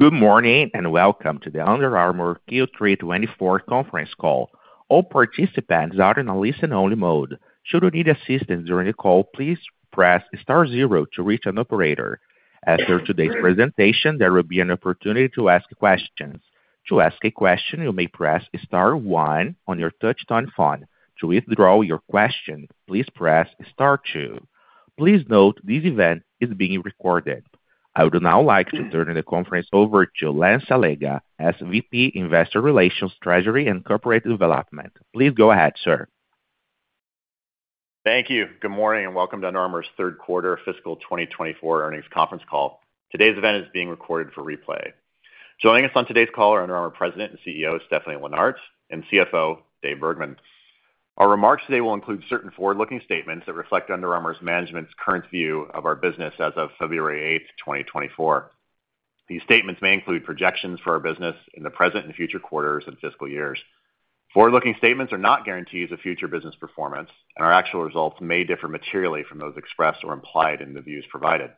Good morning, and welcome to the Under Armour Q3 2024 conference call. All participants are in a listen-only mode. Should you need assistance during the call, please press star zero to reach an operator. After today's presentation, there will be an opportunity to ask questions. To ask a question, you may press star-one on your touch-tone phone. To withdraw your question, please press star-two. Please note, this event is being recorded. I would now like to turn the conference over to Lance Allega, SVP, Investor Relations, Treasury, and Corporate Development. Please go ahead, sir. Thank you. Good morning, and welcome to Under Armour's third quarter fiscal 2024 earnings conference call. Today's event is being recorded for replay. Joining us on today's call are Under Armour President and CEO, Stephanie Linnartz, and CFO, Dave Bergman. Our remarks today will include certain forward-looking statements that reflect Under Armour's management's current view of our business as of February 8, 2024. These statements may include projections for our business in the present and future quarters and fiscal years. Forward-looking statements are not guarantees of future business performance, and our actual results may differ materially from those expressed or implied in the views provided.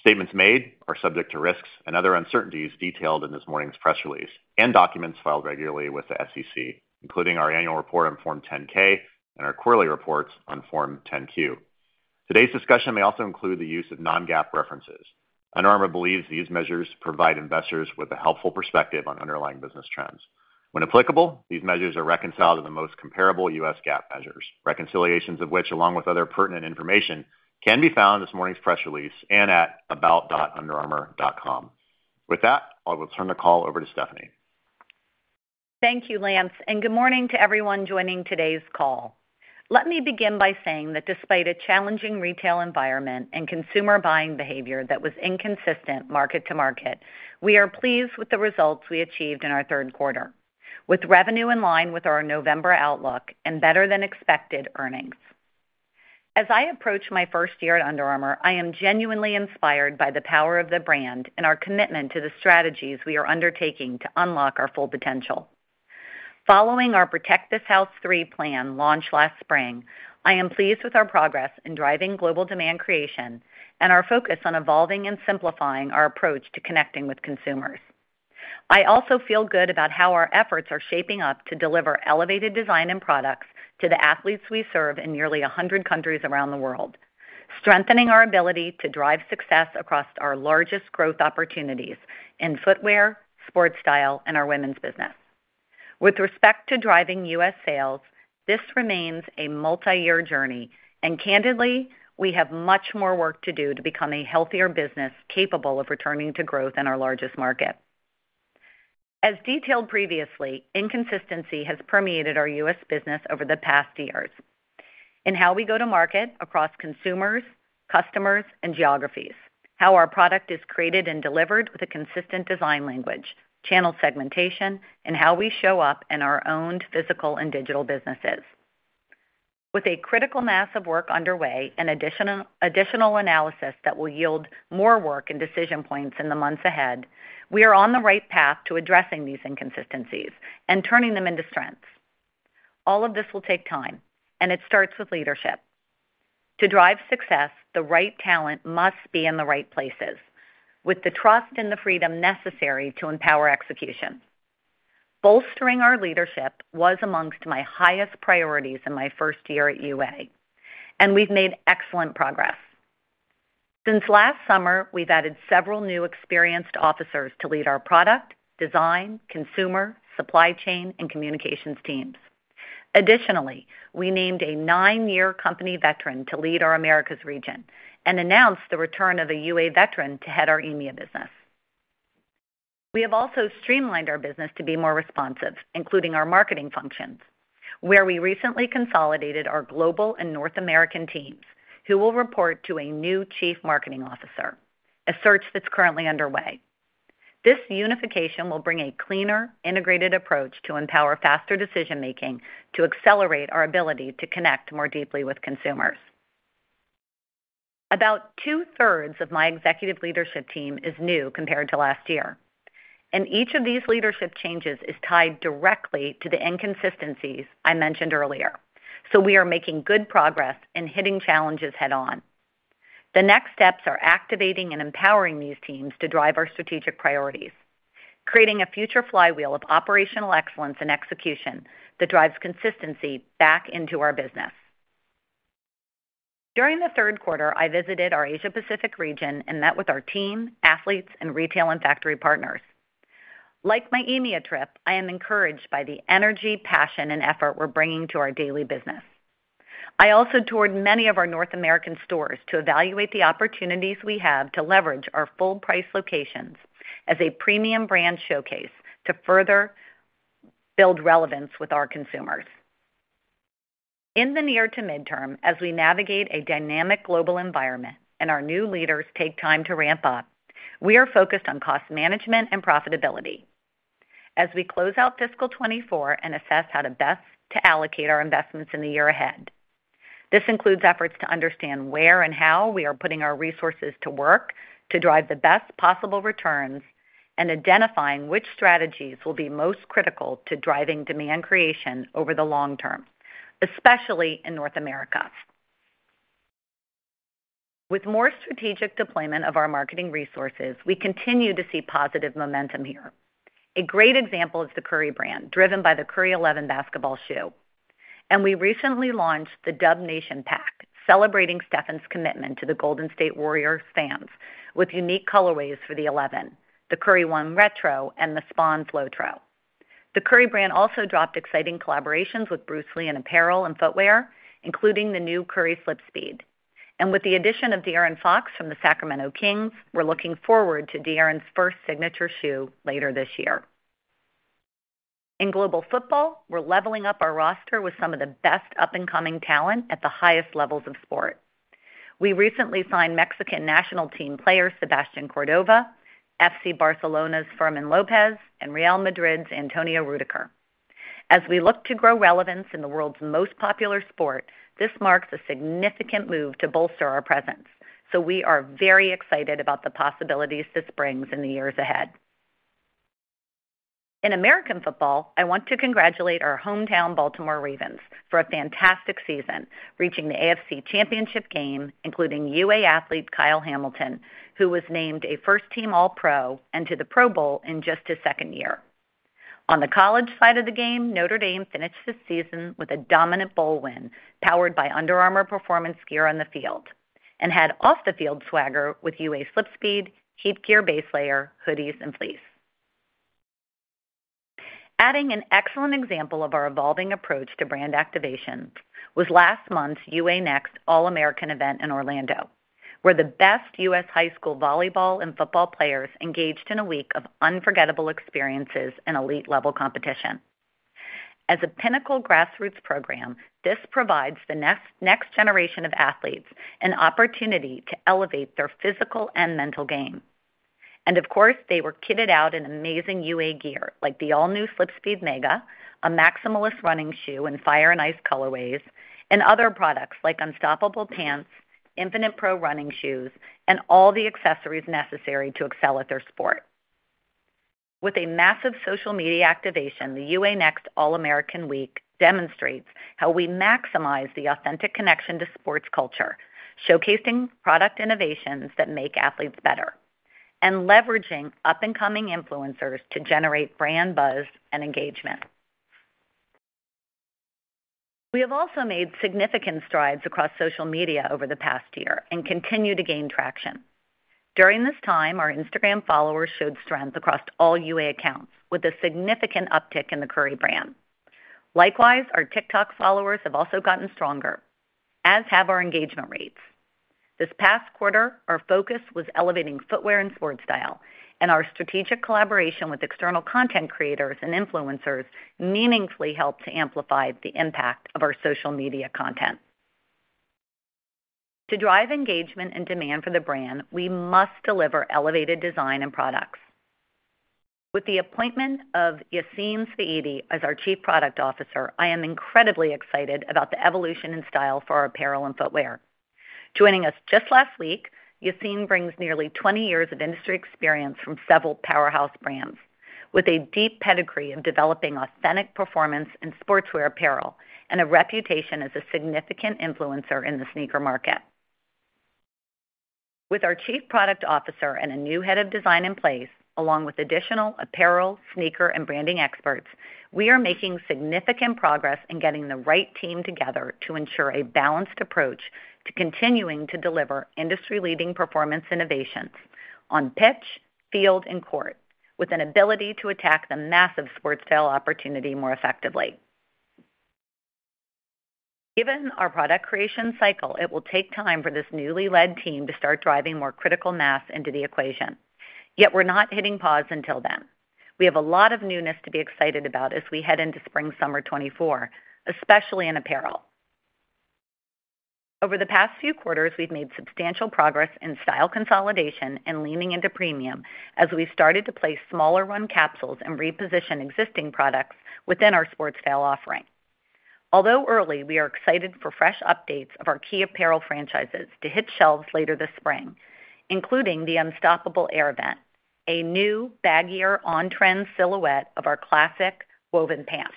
Statements made are subject to risks and other uncertainties detailed in this morning's press release and documents filed regularly with the SEC, including our annual report on Form 10-K and our quarterly reports on Form 10-Q. Today's discussion may also include the use of non-GAAP references. Under Armour believes these measures provide investors with a helpful perspective on underlying business trends. When applicable, these measures are reconciled to the most comparable U.S. GAAP measures, reconciliations of which, along with other pertinent information, can be found in this morning's press release and at about.underarmour.com. With that, I will turn the call over to Stephanie. Thank you, Lance, and good morning to everyone joining today's call. Let me begin by saying that despite a challenging retail environment and consumer buying behavior that was inconsistent market to market, we are pleased with the results we achieved in our third quarter, with revenue in line with our November outlook and better-than-expected earnings. As I approach my first year at Under Armour, I am genuinely inspired by the power of the brand and our commitment to the strategies we are undertaking to unlock our full potential. Following our Protect This House 3 plan launch last spring, I am pleased with our progress in driving global demand creation and our focus on evolving and simplifying our approach to connecting with consumers. I also feel good about how our efforts are shaping up to deliver elevated design and products to the athletes we serve in nearly 100 countries around the world, strengthening our ability to drive success across our largest growth opportunities in footwear, sports style, and our women's business. With respect to driving U.S. sales, this remains a multi-year journey, and candidly, we have much more work to do to become a healthier business capable of returning to growth in our largest market. As detailed previously, inconsistency has permeated our U.S. business over the past years in how we go to market across consumers, customers, and geographies, how our product is created and delivered with a consistent design language, channel segmentation, and how we show up in our own physical and digital businesses. With a critical mass of work underway and additional analysis that will yield more work and decision points in the months ahead, we are on the right path to addressing these inconsistencies and turning them into strengths. All of this will take time, and it starts with leadership. To drive success, the right talent must be in the right places, with the trust and the freedom necessary to empower execution. Bolstering our leadership was among my highest priorities in my first year at UA, and we've made excellent progress. Since last summer, we've added several new experienced officers to lead our product, design, consumer, supply chain, and communications teams. Additionally, we named a nine-year company veteran to lead our Americas region and announced the return of a UA veteran to head our EMEA business. We have also streamlined our business to be more responsive, including our marketing functions, where we recently consolidated our global and North American teams, who will report to a new chief marketing officer, a search that's currently underway. This unification will bring a cleaner, integrated approach to empower faster decision-making to accelerate our ability to connect more deeply with consumers. About 2/3, of my executive leadership team is new compared to last year, and each of these leadership changes is tied directly to the inconsistencies I mentioned earlier. So we are making good progress in hitting challenges head-on. The next steps are activating and empowering these teams to drive our strategic priorities, creating a future flywheel of operational excellence and execution that drives consistency back into our business. During the Q3, I visited our Asia Pacific region and met with our team, athletes, and retail and factory partners. Like my EMEA trip, I am encouraged by the energy, passion, and effort we're bringing to our daily business. I also toured many of our North American stores to evaluate the opportunities we have to leverage our full price locations as a premium brand showcase to further build relevance with our consumers. In the near to midterm, as we navigate a dynamic global environment and our new leaders take time to ramp up, we are focused on cost management and profitability as we close out Fiscal 2024 and assess how to best allocate our investments in the year ahead. This includes efforts to understand where and how we are putting our resources to work to drive the best possible returns and identifying which strategies will be most critical to driving demand creation over the long term, especially in North America. With more strategic deployment of our marketing resources, we continue to see positive momentum here. A great example is the Curry Brand, driven by the Curry 11 basketball shoe. We recently launched the Dub Nation Pack, celebrating Stephen's commitment to the Golden State Warriors fans with unique colorways for the 11, the Curry One Retro, and the Spawn Flowtro. The Curry Brand also dropped exciting collaborations with Bruce Lee in apparel and footwear, including the new Curry Flip Speed. With the addition of De'Aaron Fox from the Sacramento Kings, we're looking forward to De'Aaron's first signature shoe later this year. In global football, we're leveling up our roster with some of the best up-and-coming talent at the highest levels of sport. We recently signed Mexican national team player Sebastian Cordova, FC Barcelona's Fermín López, and Real Madrid's Antonio Rüdiger. As we look to grow relevance in the world's most popular sport, this marks a significant move to bolster our presence, so we are very excited about the possibilities this brings in the years ahead. In American football, I want to congratulate our hometown Baltimore Ravens for a fantastic season, reaching the AFC Championship game, including UA athlete Kyle Hamilton, who was named a first-team All-Pro and to the Pro Bowl in just his second year. On the college side of the game, Notre Dame finished the season with a dominant bowl win, powered by Under Armour performance gear on the field, and had off-the-field swagger with UA SlipSpeed, HeatGear base layer, hoodies, and fleece. Adding an excellent example of our evolving approach to brand activation was last month's UA Next All-American event in Orlando, where the best U.S. high school volleyball and football players engaged in a week of unforgettable experiences and elite-level competition. As a pinnacle grassroots program, this provides the next, next generation of athletes an opportunity to elevate their physical and mental game. And of course, they were kitted out in amazing UA gear, like the all-new SlipSpeed Mega, a maximalist running shoe in fire and ice colorways, and other products like Unstoppable pants, Infinite Pro running shoes, and all the accessories necessary to excel at their sport. With a massive social media activation, the UA Next All-American Week demonstrates how we maximize the authentic connection to sports culture, showcasing product innovations that make athletes better and leveraging up-and-coming influencers to generate brand buzz and engagement. We have also made significant strides across social media over the past year and continue to gain traction. During this time, our Instagram followers showed strength across all UA accounts, with a significant uptick in the Curry Brand. Likewise, our TikTok followers have also gotten stronger, as have our engagement rates. This past quarter, our focus was elevating footwear and sports style, and our strategic collaboration with external content creators and influencers meaningfully helped to amplify the impact of our social media content. To drive engagement and demand for the brand, we must deliver elevated design and products. With the appointment of Yassine Saidi as our Chief Product Officer, I am incredibly excited about the evolution and style for our apparel and footwear. Joining us just last week, Yassine brings nearly 20 years of industry experience from several powerhouse brands, with a deep pedigree in developing authentic performance in sportswear apparel and a reputation as a significant influencer in the sneaker market. With our Chief Product Officer and a new Head of Design in place, along with additional apparel, sneaker, and branding experts, we are making significant progress in getting the right team together to ensure a balanced approach to continuing to deliver industry-leading performance innovations on pitch, field, and court, with an ability to attack the massive sports style opportunity more effectively. Given our product creation cycle, it will take time for this newly led team to start driving more critical mass into the equation. Yet we're not hitting pause until then. We have a lot of newness to be excited about as we head into spring/summer 2024, especially in apparel. Over the past few quarters, we've made substantial progress in style consolidation and leaning into premium as we started to place smaller run capsules and reposition existing products within our sports style offering. Although early, we are excited for fresh updates of our key apparel franchises to hit shelves later this spring, including the Unstoppable Air Event, a new baggier on-trend silhouette of our classic woven pants.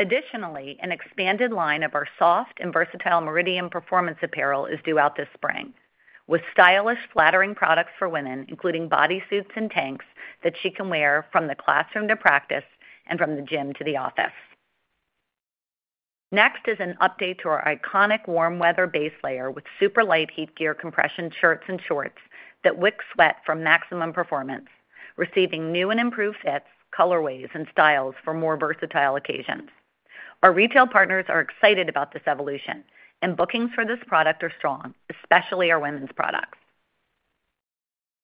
Additionally, an expanded line of our soft and versatile Meridian performance apparel is due out this spring, with stylish, flattering products for women, including bodysuits and tanks that she can wear from the classroom to practice and from the gym to the office. Next is an update to our iconic warm weather base layer with super light HeatGear compression shirts and shorts that wick sweat for maximum performance, receiving new and improved fits, colorways, and styles for more versatile occasions. Our retail partners are excited about this evolution, and bookings for this product are strong, especially our women's products.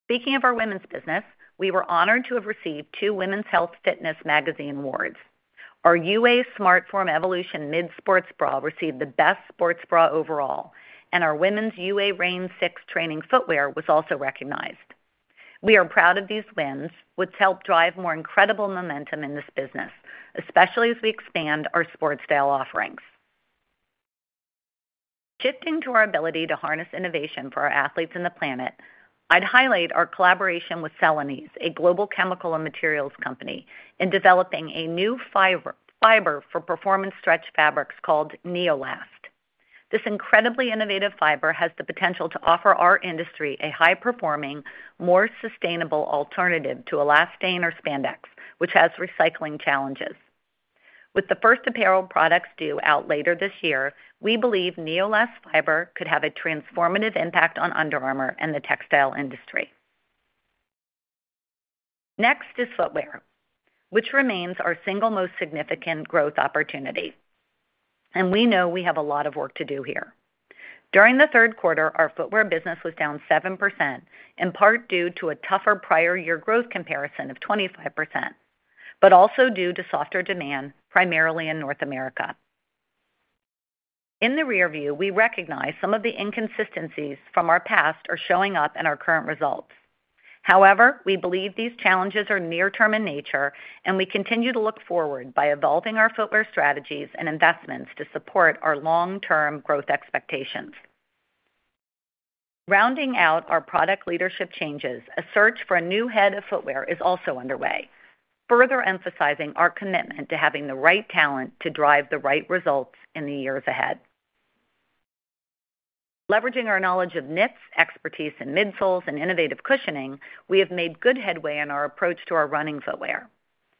Speaking of our women's business, we were honored to have received two Women's Health Fitness Magazine awards. Our UA SmartForm Evolution Mid Sports Bra received the best sports bra overall, and our women's UA Rain 6 training footwear was also recognized. We are proud of these wins, which help drive more incredible momentum in this business, especially as we expand our sports style offerings. Shifting to our ability to harness innovation for our athletes and the planet, I'd highlight our collaboration with Celanese, a global chemical and materials company, in developing a new fiber for performance stretch fabrics called Neolast. This incredibly innovative fiber has the potential to offer our industry a high-performing, more sustainable alternative to elastane or spandex, which has recycling challenges. With the first apparel products due out later this year, we believe Neolast fiber could have a transformative impact on Under Armour and the textile industry. Next is footwear, which remains our single most significant growth opportunity, and we know we have a lot of work to do here. During the third quarter, our footwear business was down 7%, in part due to a tougher prior year growth comparison of 25%, but also due to softer demand, primarily in North America. In the rear view, we recognize some of the inconsistencies from our past are showing up in our current results. However, we believe these challenges are near-term in nature, and we continue to look forward by evolving our footwear strategies and investments to support our long-term growth expectations. Rounding out our product leadership changes, a search for a new head of footwear is also underway, further emphasizing our commitment to having the right talent to drive the right results in the years ahead. Leveraging our knowledge of knits, expertise in midsoles, and innovative cushioning, we have made good headway in our approach to our running footwear.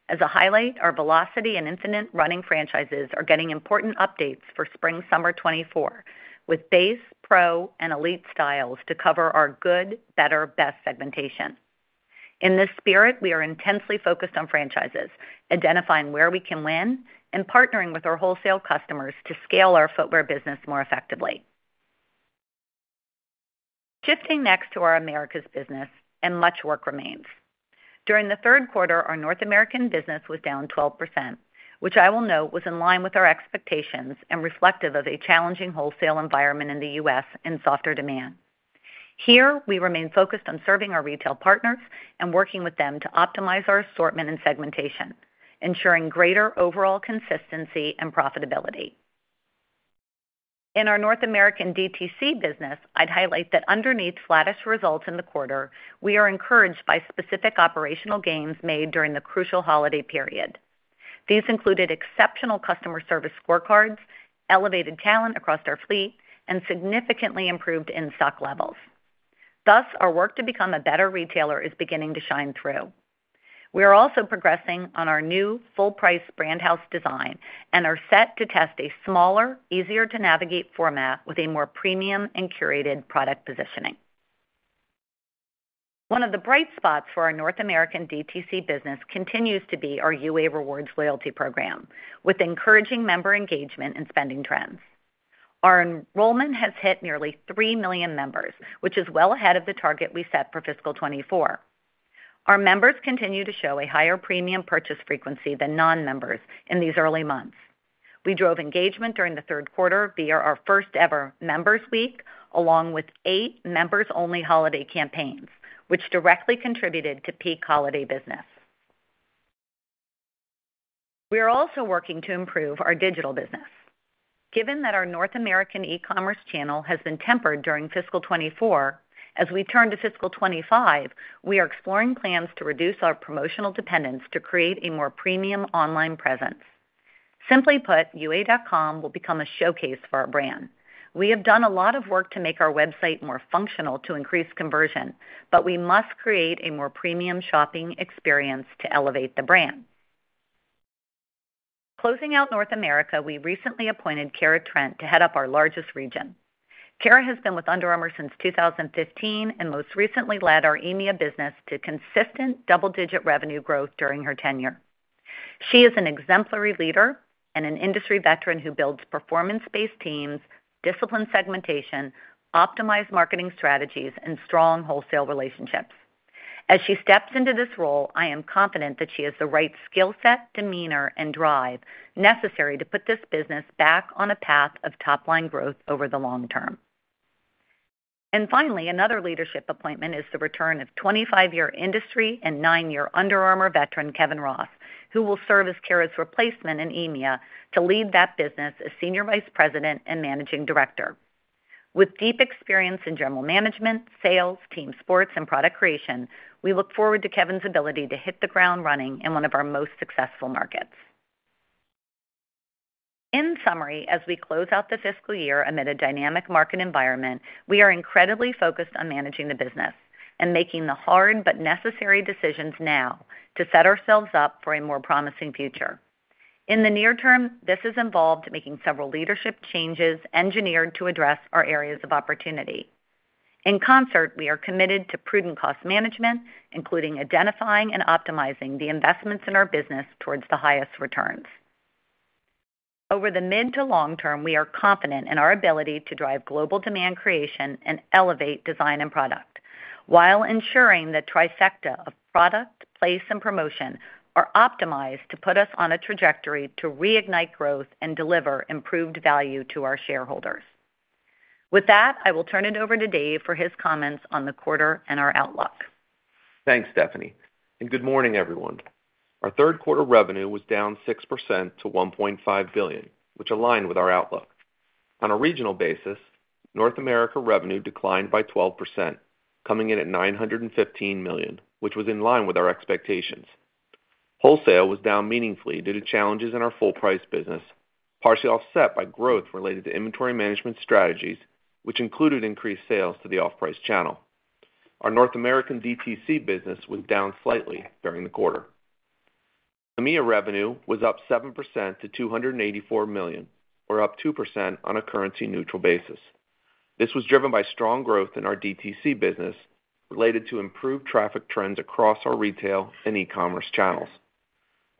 As a highlight, our Velocity and Infinite running franchises are getting important updates for spring-summer 2024, with base, pro, and elite styles to cover our good, better, best segmentation. In this spirit, we are intensely focused on franchises, identifying where we can win, and partnering with our wholesale customers to scale our footwear business more effectively. Shifting next to our Americas business, and much work remains. During the third quarter, our North American business was down 12%, which I will note was in line with our expectations and reflective of a challenging wholesale environment in the U.S. and softer demand. Here, we remain focused on serving our retail partners and working with them to optimize our assortment and segmentation, ensuring greater overall consistency and profitability. In our North American DTC business, I'd highlight that underneath flattish results in the quarter, we are encouraged by specific operational gains made during the crucial holiday period. These included exceptional customer service scorecards, elevated talent across our fleet, and significantly improved in-stock levels. Thus, our work to become a better retailer is beginning to shine through. We are also progressing on our new full-price brand house design and are set to test a smaller, easier-to-navigate format with a more premium and curated product positioning. One of the bright spots for our North American DTC business continues to be our UA Rewards loyalty program, with encouraging member engagement and spending trends. Our enrollment has hit nearly three million members, which is well ahead of the target we set for fiscal 2024. Our members continue to show a higher premium purchase frequency than non-members in these early months. We drove engagement during the Q3 via our first-ever Members Week, along with 8 members-only holiday campaigns, which directly contributed to peak holiday business. We are also working to improve our digital business. Given that our North American e-commerce channel has been tempered during Fiscal 2024, as we turn to Fiscal 2025, we are exploring plans to reduce our promotional dependence to create a more premium online presence. Simply put, UA.com will become a showcase for our brand. We have done a lot of work to make our website more functional to increase conversion, but we must create a more premium shopping experience to elevate the brand. Closing out North America, we recently appointed Kara Trent to head up our largest region. Kara has been with Under Armour since 2015 and most recently led our EMEA business to consistent double-digit revenue growth during her tenure. She is an exemplary leader and an industry veteran who builds performance-based teams, disciplined segmentation, optimized marketing strategies, and strong wholesale relationships. As she steps into this role, I am confident that she has the right skill set, demeanor, and drive necessary to put this business back on a path of top-line growth over the long term. And finally, another leadership appointment is the return of 25-year industry and nine-year Under Armour veteran, Kevin Ross, who will serve as Kara's replacement in EMEA to lead that business as senior vice president and managing director. With deep experience in general management, sales, team sports, and product creation, we look forward to Kevin's ability to hit the ground running in one of our most successful markets. In summary, as we close out the fiscal year amid a dynamic market environment, we are incredibly focused on managing the business and making the hard but necessary decisions now to set ourselves up for a more promising future. In the near term, this has involved making several leadership changes engineered to address our areas of opportunity. In concert, we are committed to prudent cost management, including identifying and optimizing the investments in our business towards the highest returns. Over the mid to long term, we are confident in our ability to drive global demand creation and elevate design and product, while ensuring the trifecta of product, place, and promotion are optimized to put us on a trajectory to reignite growth and deliver improved value to our shareholders. With that, I will turn it over to Dave for his comments on the quarter and our outlook. Thanks, Stephanie, and good morning, everyone. Our Q3 revenue was down 6% to $1.5 billion, which aligned with our outlook. On a regional basis, North America revenue declined by 12%, coming in at $915 million, which was in line with our expectations. Wholesale was down meaningfully due to challenges in our full-price business, partially offset by growth related to inventory management strategies, which included increased sales to the off-price channel. Our North American DTC business was down slightly during the quarter. EMEA revenue was up 7% to $284 million, or up 2% on a currency-neutral basis. This was driven by strong growth in our DTC business related to improved traffic trends across our retail and e-commerce channels.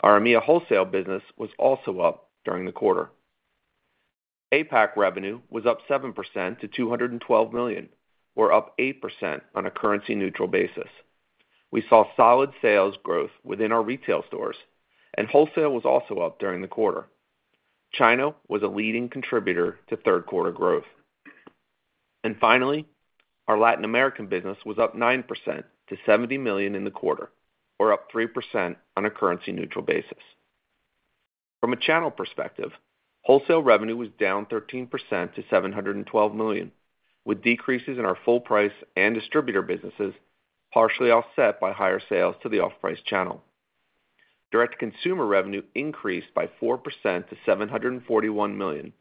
Our EMEA wholesale business was also up during the quarter. APAC revenue was up 7% to $212 million, or up 8% on a currency-neutral basis. We saw solid sales growth within our retail stores, and wholesale was also up during the quarter. China was a leading contributor to third quarter growth. Finally, our Latin American business was up 9% to $70 million in the quarter, or up 3% on a currency-neutral basis. From a channel perspective, wholesale revenue was down 13% to $712 million, with decreases in our full-price and distributor businesses, partially offset by higher sales to the off-price channel. Direct-to-consumer revenue increased by 4% to $741 million,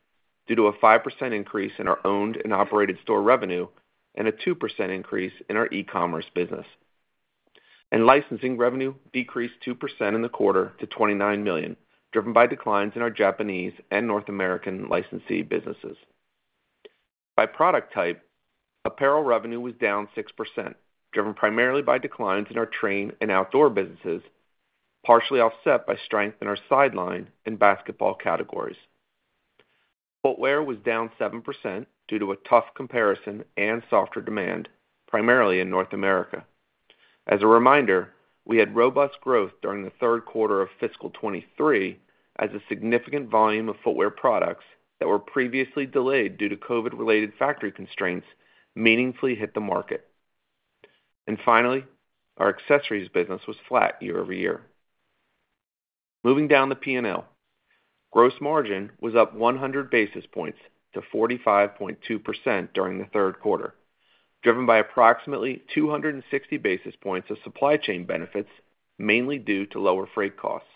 due to a 5% increase in our owned and operated store revenue and a 2% increase in our e-commerce business. Licensing revenue decreased 2% in the quarter to $29 million, driven by declines in our Japanese and North American licensee businesses. By product type, apparel revenue was down 6%, driven primarily by declines in our train and outdoor businesses, partially offset by strength in our sideline and basketball categories. Footwear was down 7% due to a tough comparison and softer demand, primarily in North America. As a reminder, we had robust growth during the third quarter of fiscal 2023 as a significant volume of footwear products that were previously delayed due to COVID-related factory constraints meaningfully hit the market. Finally, our accessories business was flat year-over-year. Moving down the P&L, gross margin was up 100 basis points to 45.2% during the third quarter, driven by approximately 260 basis points of supply chain benefits, mainly due to lower freight costs.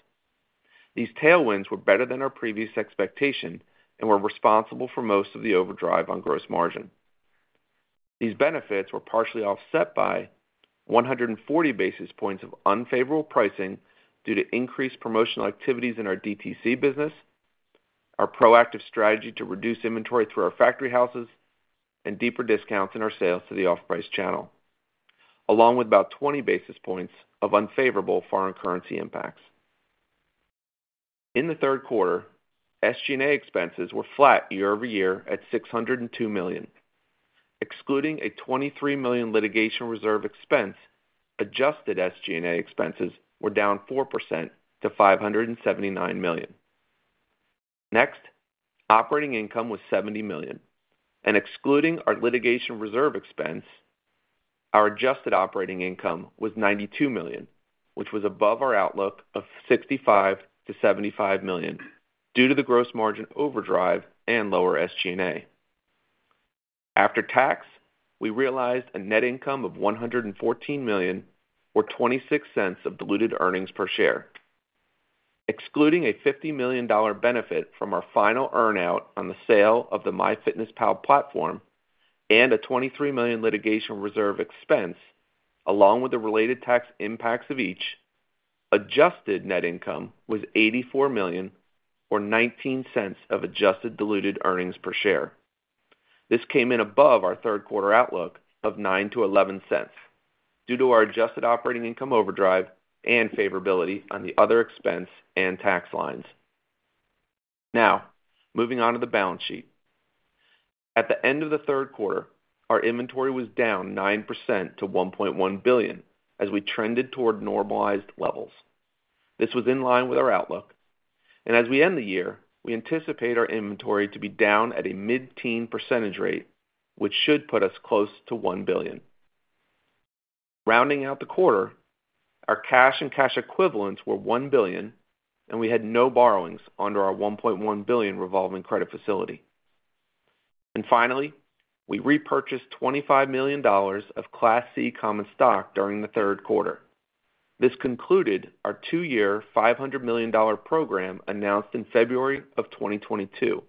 These tailwinds were better than our previous expectation and were responsible for most of the overdrive on gross margin. These benefits were partially offset by 140 basis points of unfavorable pricing due to increased promotional activities in our DTC business, our proactive strategy to reduce inventory through our factory houses, and deeper discounts in our sales to the off-price channel, along with about 20 basis points of unfavorable foreign currency impacts. In the Q3, SG&A expenses were flat year-over-year at $602 million. Excluding a $23 million litigation reserve expense, adjusted SG&A expenses were down 4% to $579 million. Next, operating income was $70 million, and excluding our litigation reserve expense, our adjusted operating income was $92 million, which was above our outlook of $65-75 million, due to the gross margin overdrive and lower SG&A. After tax, we realized a net income of $114 million, or $0.26 of diluted earnings per share. Excluding a $50 million benefit from our final earn-out on the sale of the MyFitnessPal platform and a $23 million litigation reserve expense, along with the related tax impacts of each, adjusted net income was $84 million or $0.19 of adjusted diluted earnings per share. This came in above our third quarter outlook of $0.09-$0.11, due to our adjusted operating income overdrive and favorability on the other expense and tax lines. Now, moving on to the balance sheet. At the end of the third quarter, our inventory was down 9% to $1.1 billion, as we trended toward normalized levels. This was in line with our outlook, and as we end the year, we anticipate our inventory to be down at a mid-teen % rate, which should put us close to $1 billion. Rounding out the quarter, our cash and cash equivalents were $1 billion, and we had no borrowings under our $1.1 billion revolving credit facility. And finally, we repurchased $25 million of Class C common stock during the third quarter. This concluded our two-year, $500 million program announced in February 2022,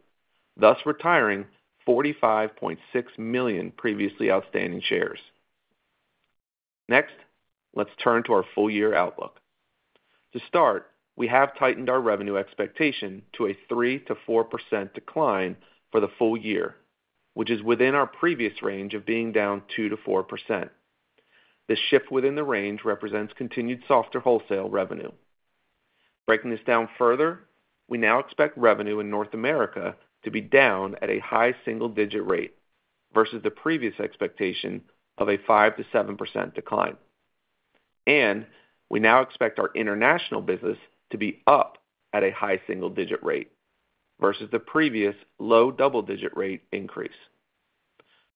thus retiring 45.6 million previously outstanding shares. Next, let's turn to our full-year outlook. To start, we have tightened our revenue expectation to a 3%-4% decline for the full year, which is within our previous range of being down 2%-4%. This shift within the range represents continued softer wholesale revenue. Breaking this down further, we now expect revenue in North America to be down at a high single-digit rate versus the previous expectation of a 5%-7% decline. We now expect our international business to be up at a high single-digit rate versus the previous low double-digit rate increase.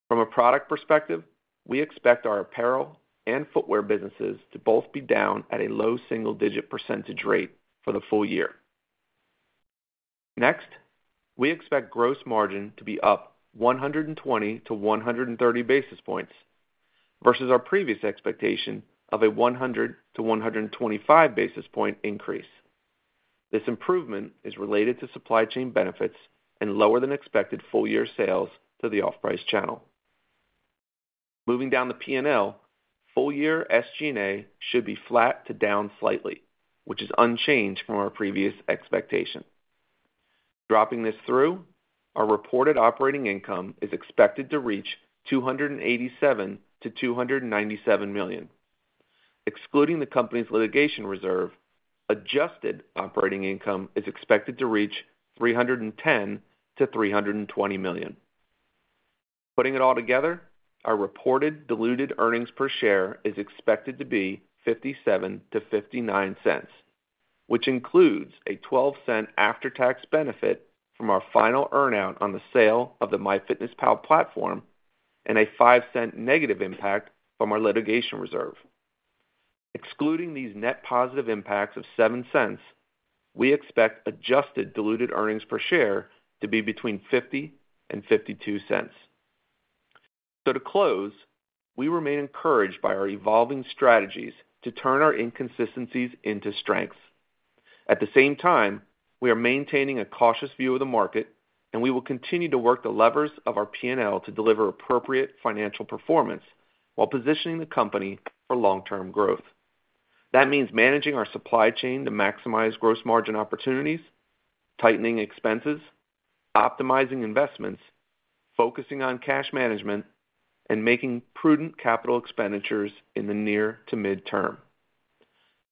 From a product perspective, we expect our apparel and footwear businesses to both be down at a low single-digit percentage rate for the full year. Next, we expect gross margin to be up 120-130 basis points versus our previous expectation of a 100-125 basis point increase. This improvement is related to supply chain benefits and lower than expected full-year sales to the off-price channel. Moving down the P&L, full-year SG&A should be flat to down slightly, which is unchanged from our previous expectation. Dropping this through, our reported operating income is expected to reach $287 million-$297 million. Excluding the company's litigation reserve, adjusted operating income is expected to reach $310 million-$320 million. Putting it all together, our reported diluted earnings per share is expected to be $0.57-$0.59, which includes a $0.12 after-tax benefit from our final earn-out on the sale of the MyFitnessPal platform and a $0.05 negative impact from our litigation reserve. Excluding these net positive impacts of $0.07, we expect adjusted diluted earnings per share to be between $0.50 and $0.52. So to close, we remain encouraged by our evolving strategies to turn our inconsistencies into strengths. At the same time, we are maintaining a cautious view of the market, and we will continue to work the levers of our P&L to deliver appropriate financial performance while positioning the company for long-term growth. That means managing our supply chain to maximize gross margin opportunities, tightening expenses, optimizing investments, focusing on cash management, and making prudent capital expenditures in the near to mid-term.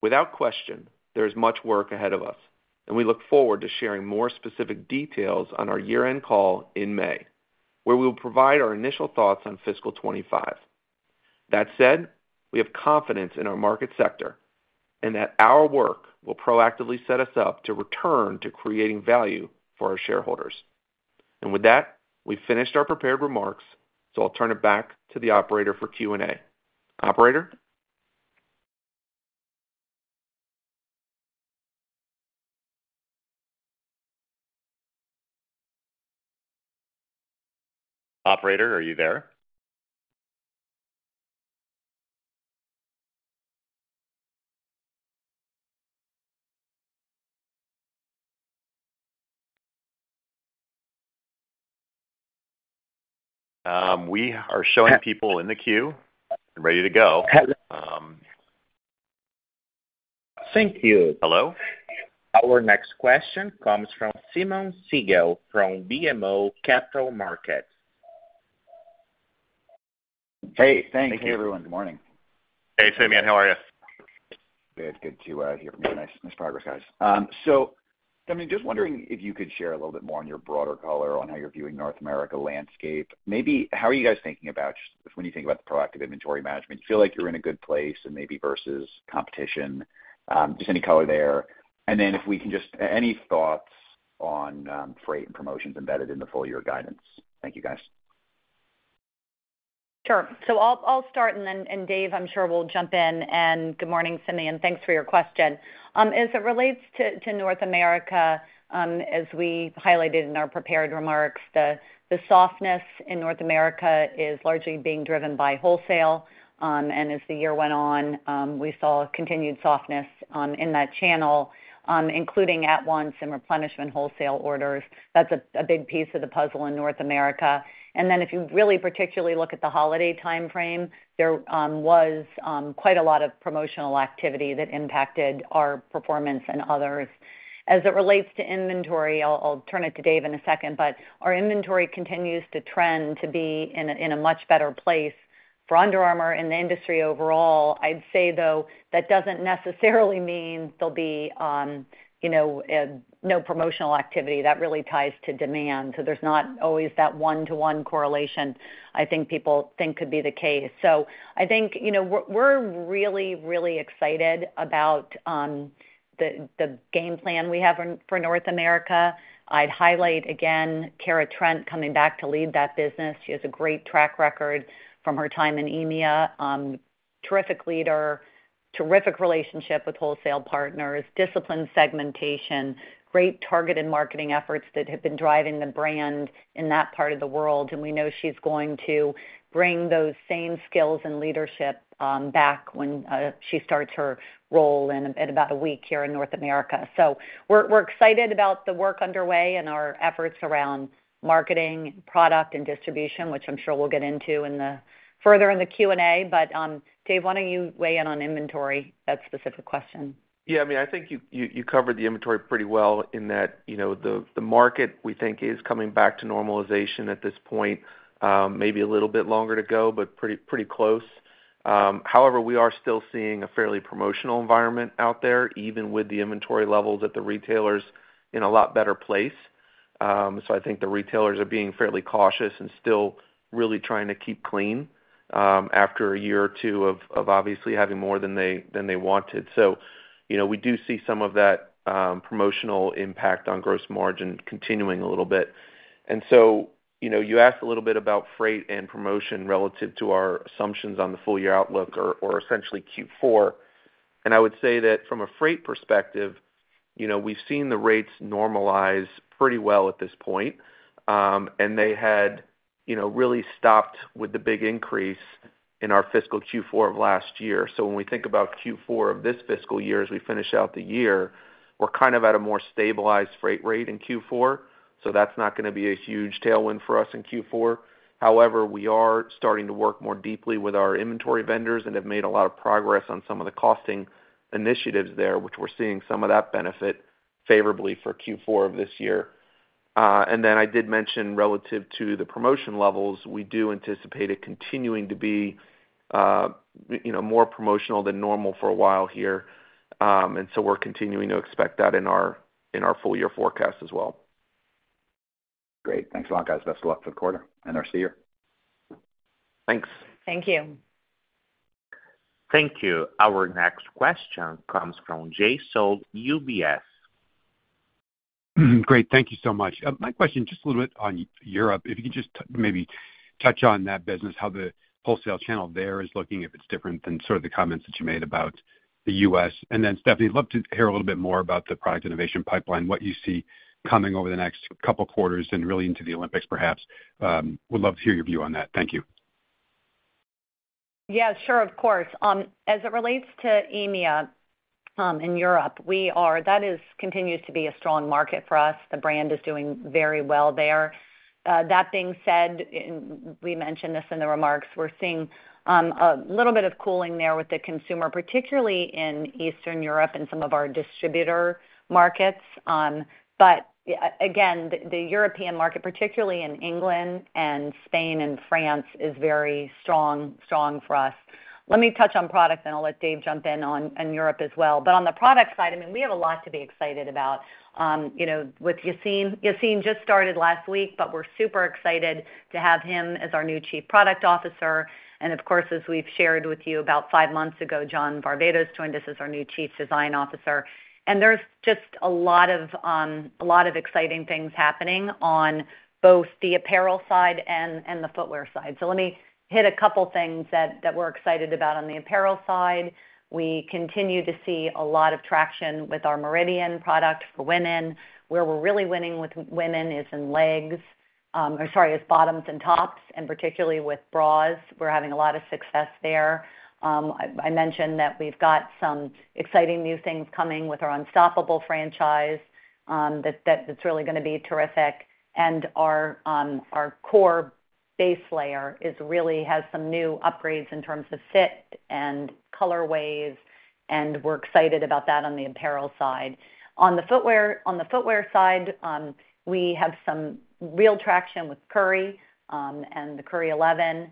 Without question, there is much work ahead of us, and we look forward to sharing more specific details on our year-end call in May, where we will provide our initial thoughts on Fiscal 25. That said, we have confidence in our market sector and that our work will proactively set us up to return to creating value for our shareholders. And with that, we've finished our prepared remarks, so I'll turn it back to the operator for Q&A. Operator? Operator, are you there? We are showing people in the queue and ready to go. Thank you. Hello? Our next question comes from Simeon Siegel from BMO Capital Markets. Hey, thanks, everyone. Good morning. Hey, Simeon. How are you? Good. Good to hear from you. Nice, nice progress, guys. So I mean, just wondering if you could share a little bit more on your broader color on how you're viewing North America landscape. Maybe how are you guys thinking about when you think about the proactive inventory management? Do you feel like you're in a good place and maybe versus competition? Just any color there. And then if we can just any thoughts on freight and promotions embedded in the full year guidance. Thank you, guys. Sure. So I'll start, and then Dave, I'm sure, will jump in. And good morning, Simeon, thanks for your question. As it relates to North America, as we highlighted in our prepared remarks, the softness in North America is largely being driven by wholesale. And as the year went on, we saw continued softness in that channel, including at once and replenishment wholesale orders. That's a big piece of the puzzle in North America. And then if you really particularly look at the holiday timeframe, there was quite a lot of promotional activity that impacted our performance and others. As it relates to inventory, I'll turn it to Dave in a second, but our inventory continues to trend to be in a much better place for Under Armour and the industry overall. I'd say, though, that doesn't necessarily mean there'll be, you know, no promotional activity. That really ties to demand. So there's not always that one-to-one correlation I think people think could be the case. So I think, you know, we're really, really excited about the game plan we have for North America. I'd highlight again, Kara Trent coming back to lead that business. She has a great track record from her time in EMEA. Terrific leader, terrific relationship with wholesale partners, disciplined segmentation, great targeted marketing efforts that have been driving the brand in that part of the world, and we know she's going to bring those same skills and leadership back when she starts her role in about a week here in North America. So we're excited about the work underway and our efforts around marketing, product, and distribution, which I'm sure we'll get into further in the Q&A. But, Dave, why don't you weigh in on inventory, that specific question? Yeah, I mean, I think you covered the inventory pretty well in that, you know, the market, we think, is coming back to normalization at this point. Maybe a little bit longer to go, but pretty close. However, we are still seeing a fairly promotional environment out there, even with the inventory levels at the retailers in a lot better place. So I think the retailers are being fairly cautious and still really trying to keep clean, after a year or two of obviously having more than they wanted. So, you know, we do see some of that promotional impact on gross margin continuing a little bit. And so, you know, you asked a little bit about freight and promotion relative to our assumptions on the full year outlook or essentially Q4. I would say that from a freight perspective, you know, we've seen the rates normalize pretty well at this point. They had, you know, really stopped with the big increase in our Fiscal Q4 of last year. When we think about Q4 of this Fiscal year, as we finish out the year, we're kind of at a more stabilized freight rate in Q4, so that's not gonna be a huge tailwind for us in Q4. However, we are starting to work more deeply with our inventory vendors and have made a lot of progress on some of the costing initiatives there, which we're seeing some of that benefit favorably for Q4 of this year. Then I did mention relative to the promotion levels, we do anticipate it continuing to be, you know, more promotional than normal for a while here. And so we're continuing to expect that in our full year forecast as well. Great. Thanks a lot, guys. Best of luck for the quarter and our CEO. Thanks. Thank you. Thank you. Our next question comes from Jay Sole, UBS. Great. Thank you so much. My question, just a little bit on Europe. If you could just maybe touch on that business, how the wholesale channel there is looking, if it's different than sort of the comments that you made about the U.S. And then, Stephanie, I'd love to hear a little bit more about the product innovation pipeline, what you see coming over the next couple of quarters and really into the Olympics, perhaps. Would love to hear your view on that. Thank you. Yeah, sure. Of course. As it relates to EMEA, in Europe, we are that is continues to be a strong market for us. The brand is doing very well there. That being said, and we mentioned this in the remarks, we're seeing a little bit of cooling there with the consumer, particularly in Eastern Europe and some of our distributor markets. But, again, the European market, particularly in England and Spain and France, is very strong for us. Let me touch on product, and I'll let Dave jump in on Europe as well. But on the product side, I mean, we have a lot to be excited about. You know, with Yassine. Yassine just started last week, but we're super excited to have him as our new Chief Product Officer. Of course, as we've shared with you about five months ago, John Varvatos joined us as our new Chief Design Officer. There's just a lot of a lot of exciting things happening on both the apparel side and the footwear side. So let me hit a couple of things that we're excited about on the apparel side. We continue to see a lot of traction with our Meridian product for women. Where we're really winning with women is in legs, or sorry, it's bottoms and tops, and particularly with bras. We're having a lot of success there. I mentioned that we've got some exciting new things coming with our Unstoppable franchise, that's really gonna be terrific. Our core base layer really has some new upgrades in terms of fit and colorways, and we're excited about that on the apparel side. On the footwear side, we have some real traction with Curry and the Curry 11.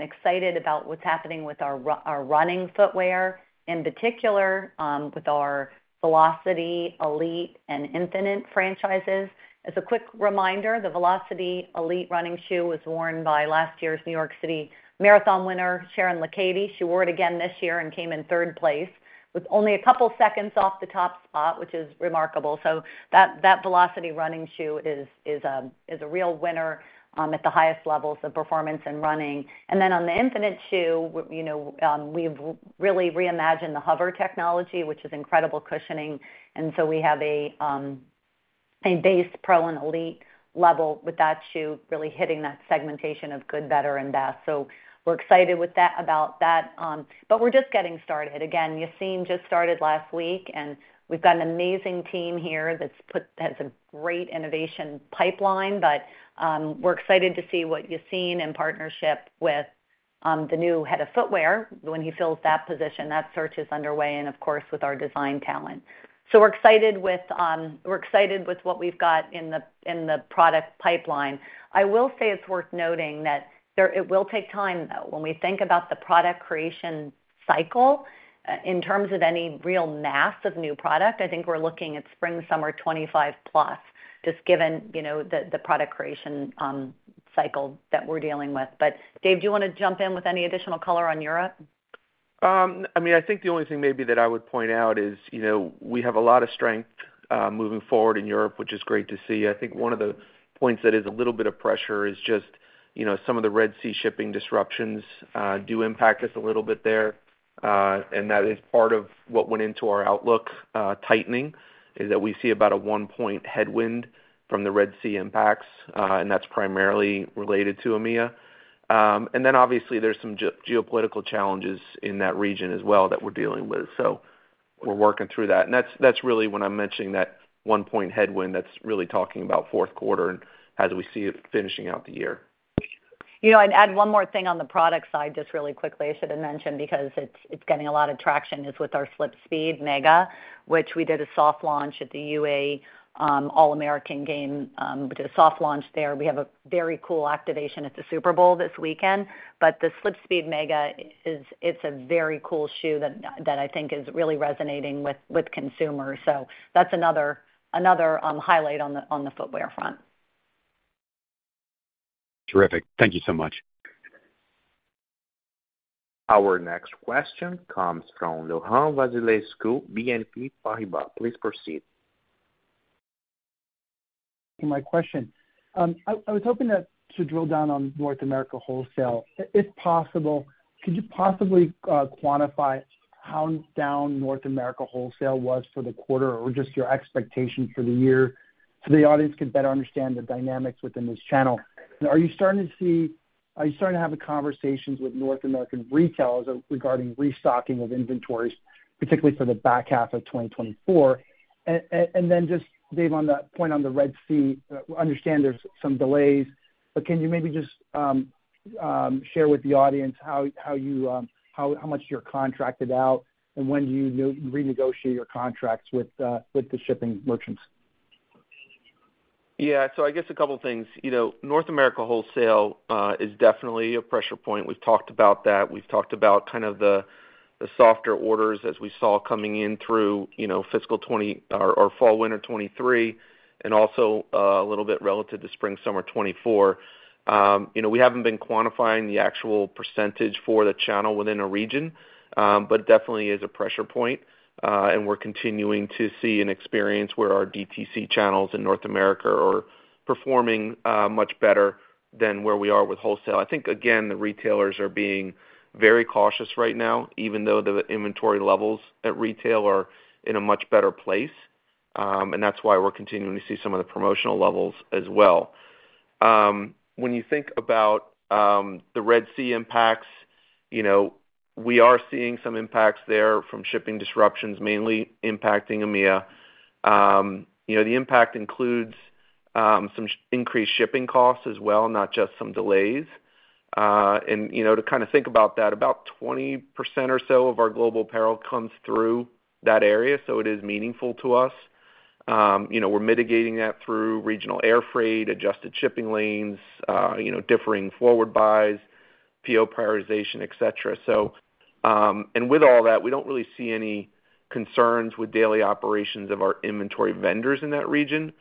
Excited about what's happening with our running footwear, in particular, with our Velocity Elite and Infinite franchises. As a quick reminder, the Velocity Elite running shoe was worn by last year's New York City Marathon winner, Sharon Lokedi. She wore it again this year and came in third place, with only a couple of seconds off the top spot, which is remarkable. So that Velocity running shoe is a real winner at the highest levels of performance and running. And then on the Infinite shoe, you know, we've really reimagined the hover technology, which is incredible cushioning, and so we have a base pro and elite level with that shoe, really hitting that segmentation of good, better, and best. So we're excited with that, about that. But we're just getting started. Again, Yassine just started last week, and we've got an amazing team here that's has a great innovation pipeline, but we're excited to see what Yassine in partnership with the new head of footwear when he fills that position. That search is underway, and of course, with our design talent. So we're excited with, we're excited with what we've got in the product pipeline. I will say it's worth noting that it will take time, though. When we think about the product creation cycle, in terms of any real mass of new product, I think we're looking at spring, summer 25 plus, just given, you know, the product creation cycle that we're dealing with. But Dave, do you wanna jump in with any additional color on Europe? I mean, I think the only thing maybe that I would point out is, you know, we have a lot of strength moving forward in Europe, which is great to see. I think one of the points that is a little bit of pressure is just, you know, some of the Red Sea shipping disruptions do impact us a little bit there, and that is part of what went into our outlook. Tightening is that we see about a one-point headwind from the Red Sea impacts, and that's primarily related to EMEA. And then obviously, there's some geopolitical challenges in that region as well that we're dealing with. So we're working through that. And that's, that's really when I'm mentioning that one-point headwind, that's really talking about fourth quarter and as we see it finishing out the year. You know, I'd add one more thing on the product side, just really quickly. I should have mentioned, because it's getting a lot of traction, is with our SlipSpeed Mega, which we did a soft launch at the UA All-American Game. We did a soft launch there. We have a very cool activation at the Super Bowl this weekend, but the SlipSpeed Mega is—it's a very cool shoe that I think is really resonating with consumers. So that's another highlight on the footwear front. Terrific. Thank you so much. Our next question comes Laurent Vasilescu, BNP Paribas. Please proceed. My question. I was hoping to drill down on North America wholesale. If possible, could you possibly quantify how down North America wholesale was for the quarter, or just your expectation for the year, so the audience can better understand the dynamics within this channel? And are you starting to have the conversations with North American retailers regarding restocking of inventories, particularly for the back half of 2024? And then just, Dave, on that point on the Red Sea, we understand there's some delays, but can you maybe just share with the audience how much you're contracted out, and when do you renegotiate your contracts with the shipping merchants? Yeah. So I guess a couple things. You know, North America wholesale is definitely a pressure point. We've talked about that. We've talked about kind of the softer orders as we saw coming in through, you know, fiscal 2020 or fall/winter 2023, and also a little bit relative to spring/summer 2024. You know, we haven't been quantifying the actual percentage for the channel within a region, but definitely is a pressure point, and we're continuing to see and experience where our DTC channels in North America are performing much better than where we are with wholesale. I think, again, the retailers are being very cautious right now, even though the inventory levels at retail are in a much better place. And that's why we're continuing to see some of the promotional levels as well. When you think about the Red Sea impacts, you know, we are seeing some impacts there from shipping disruptions, mainly impacting EMEA. You know, the impact includes some increased shipping costs as well, not just some delays. And, you know, to kind of think about that, about 20% or so of our global apparel comes through that area, so it is meaningful to us. You know, we're mitigating that through regional air freight, adjusted shipping lanes, you know, differing forward buys, PO prioritization, etc. So, and with all that, we don't really see any concerns with daily operations of our inventory vendors in that region.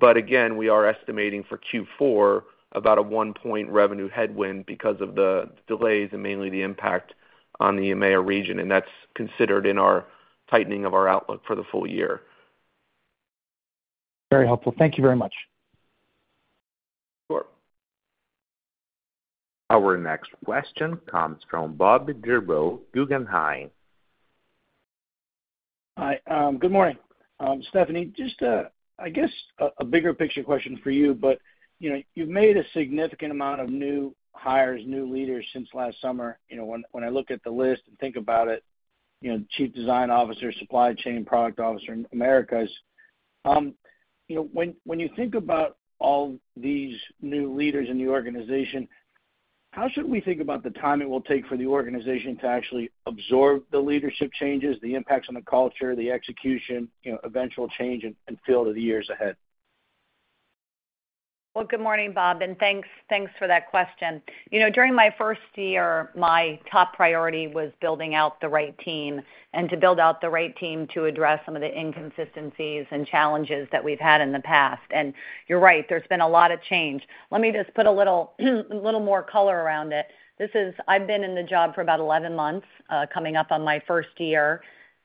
But again, we are estimating for Q4 about a one-point revenue headwind because of the delays and mainly the impact on the EMEA region, and that's considered in our tightening of our outlook for the full year. Very helpful. Thank you very much. Sure. Our next question comes from Bob Drbul, Guggenheim. Hi, good morning. Stephanie, just, I guess, a bigger picture question for you, but, you know, you've made a significant amount of new hires, new leaders since last summer. You know, when I look at the list and think about it, you know, chief design officer, supply chain, product officer, Americas. You know, when you think about all these new leaders in the organization, how should we think about the time it will take for the organization to actually absorb the leadership changes, the impacts on the culture, the execution, you know, eventual change and feel of the years ahead? Well, good morning, Bob, and thanks, thanks for that question. You know, during my first year, my top priority was building out the right team and to build out the right team to address some of the inconsistencies and challenges that we've had in the past. And you're right, there's been a lot of change. Let me just put a little more color around it. This is. I've been in the job for about 11 months, coming up on my first year.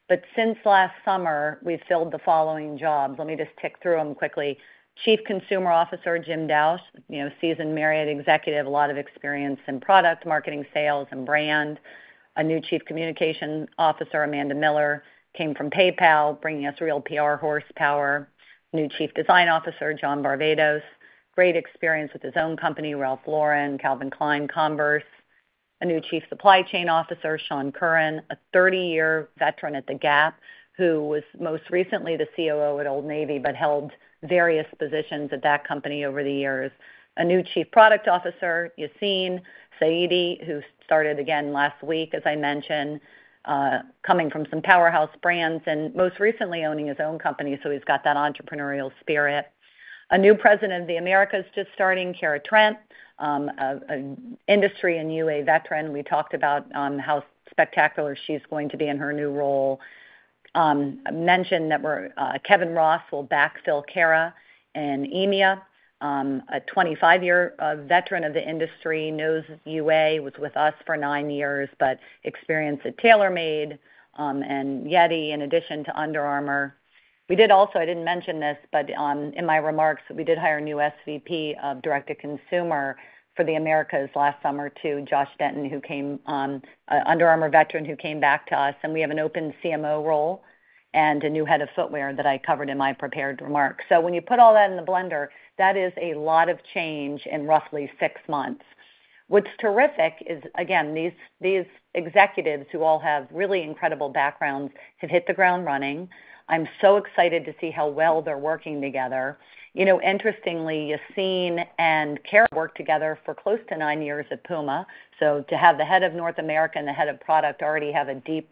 But since last summer, we've filled the following jobs. Let me just tick through them quickly. Chief Customer Officer, Jim Dausch, you know, seasoned Marriott executive, a lot of experience in product, marketing, sales, and brand. A new Chief Communications Officer, Amanda Miller, came from PayPal, bringing us real PR horsepower. New Chief Design Officer, John Varvatos, great experience with his own company, Ralph Lauren, Calvin Klein, Converse. A new Chief Supply Chain Officer, Shawn Curran, a 30-year veteran at The Gap, who was most recently the COO at Old Navy, but held various positions at that company over the years. A new Chief Product Officer, Yassine Saidi, who started again last week, as I mentioned, coming from some powerhouse brands and most recently owning his own company, so he's got that entrepreneurial spirit. A new President of the Americas, just starting, Kara Trent, an industry and UA veteran. We talked about how spectacular she's going to be in her new role. I mentioned that we're, Kevin Ross will backfill Kara in EMEA, a 25-year veteran of the industry, knows UA, was with us for nine years, but experience at Tailormade and Yeti, in addition to Under Armour. We did also, I didn't mention this, but, in my remarks, we did hire a new SVP of direct-to-consumer for the Americas last summer, too, Josh Benton, who came, an Under Armour veteran who came back to us, and we have an open CMO role and a new head of footwear that I covered in my prepared remarks. So when you put all that in the blender, that is a lot of change in roughly six months. What's terrific is, again, these executives, who all have really incredible backgrounds, have hit the ground running. I'm so excited to see how well they're working together. You know, interestingly, Yassine and Kara worked together for close to nine years at PUMA, so to have the head of North America and the head of product already have a deep,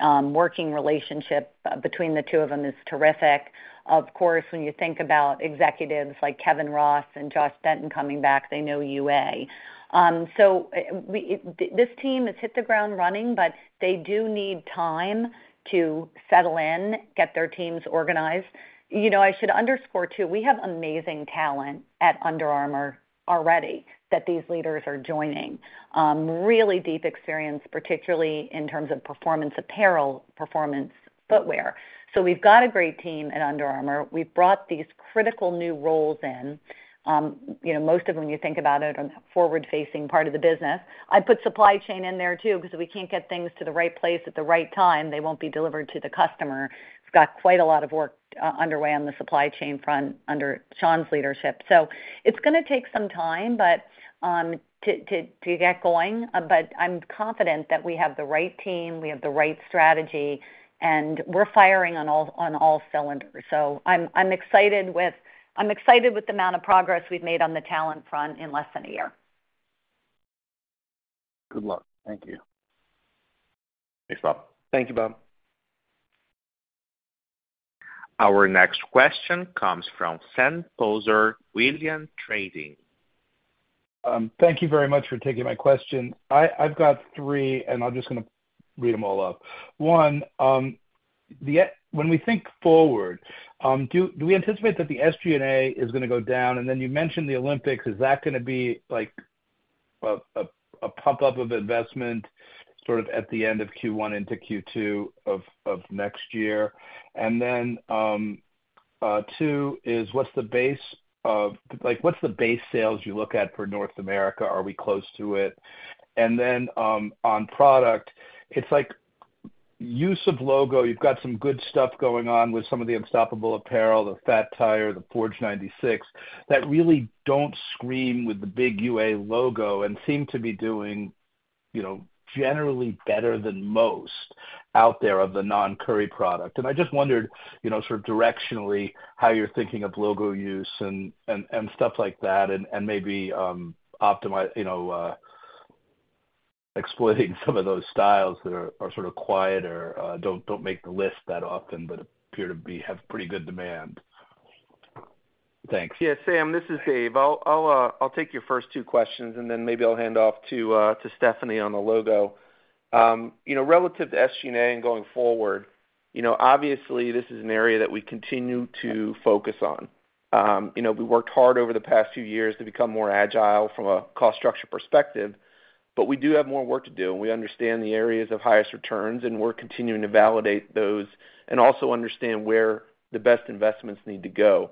working relationship between the two of them is terrific. Of course, when you think about executives like Kevin Ross and Josh Benton coming back, they know UA. So, we, this team has hit the ground running, but they do need time to settle in, get their teams organized. You know, I should underscore, too, we have amazing talent at Under Armour already, that these leaders are joining. Really deep experience, particularly in terms of performance apparel, performance footwear. So we've got a great team at Under Armour. We've brought these critical new roles in. You know, most of them, when you think about it, are forward-facing part of the business. I'd put supply chain in there, too, because if we can't get things to the right place at the right time, they won't be delivered to the customer. We've got quite a lot of work underway on the supply chain front under Shawn's leadership. So it's gonna take some time, but to get going, but I'm confident that we have the right team, we have the right strategy, and we're firing on all cylinders. So I'm excited with the amount of progress we've made on the talent front in less than a year. Good luck. Thank you. Thanks, Bob. Thank you, Bob. Our next question comes from Sam Poser, Williams Trading. Thank you very much for taking my question. I, I've got three, and I'm just gonna read them all off. One, when we think forward, do we anticipate that the SG&A is gonna go down? And then you mentioned the Olympics, is that gonna be like, a pump up of investment, sort of at the end of Q1 into Q2 of next year? And then, two is, what's the base sales you look at for North America? Are we close to it? And then, on product, it's like use of logo. You've got some good stuff going on with some of the Unstoppable apparel, the Fat Tire, the Forge 96, that really don't scream with the big UA logo and seem to be doing, you know, generally better than most out there of the non-Curry product. And I just wondered, you know, sort of directionally, how you're thinking of logo use and stuff like that, and maybe optimize, you know, exploiting some of those styles that are sort of quieter, don't make the list that often, but appear to be have pretty good demand. Thanks. Yeah, Sam, this is Dave. I'll take your first two questions, and then maybe I'll hand off to Stephanie on the logo. You know, relative to SG&A and going forward, you know, obviously, this is an area that we continue to focus on. You know, we worked hard over the past few years to become more agile from a cost structure perspective, but we do have more work to do, and we understand the areas of highest returns, and we're continuing to validate those and also understand where the best investments need to go.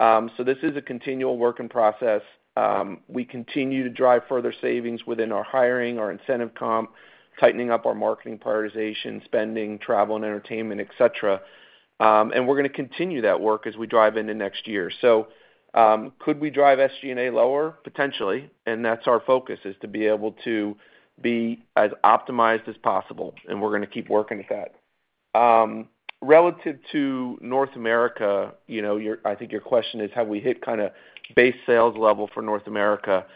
So this is a continual work in process. We continue to drive further savings within our hiring, our incentive comp, tightening up our marketing prioritization, spending, travel and entertainment, et cetera. And we're gonna continue that work as we drive into next year. So, could we drive SG&A lower? Potentially, and that's our focus, is to be able to be as optimized as possible, and we're gonna keep working at that. Relative to North America, you know, your—I think your question is, have we hit kinda base sales level for North America?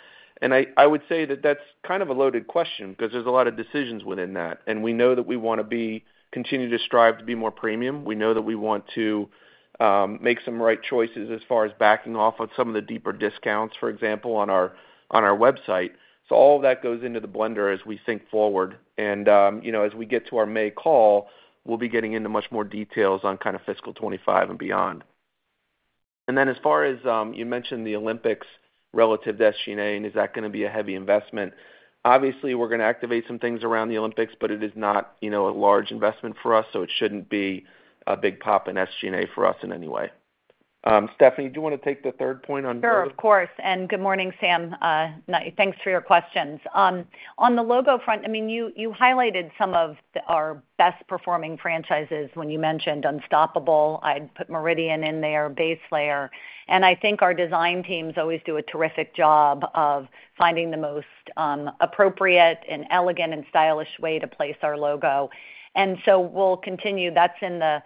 And I would say that that's kind of a loaded question because there's a lot of decisions within that, and we know that we wanna be, continue to strive to be more premium. We know that we want to make some right choices as far as backing off on some of the deeper discounts, for example, on our website. So all of that goes into the blender as we think forward. You know, as we get to our May call, we'll be getting into much more details on kind of fiscal 25 and beyond. Then as far as, you mentioned the Olympics relative to SG&A, and is that gonna be a heavy investment? Obviously, we're gonna activate some things around the Olympics, but it is not, you know, a large investment for us, so it shouldn't be a big pop in SG&A for us in any way. Stephanie, do you wanna take the third point on logo? Sure, of course, and good morning, Sam. Thanks for your questions. On the logo front, I mean, you highlighted some of our best performing franchises when you mentioned Unstoppable. I'd put Meridian in there, Baselayer, and I think our design teams always do a terrific job of finding the most appropriate and elegant and stylish way to place our logo. And so we'll continue. That's in the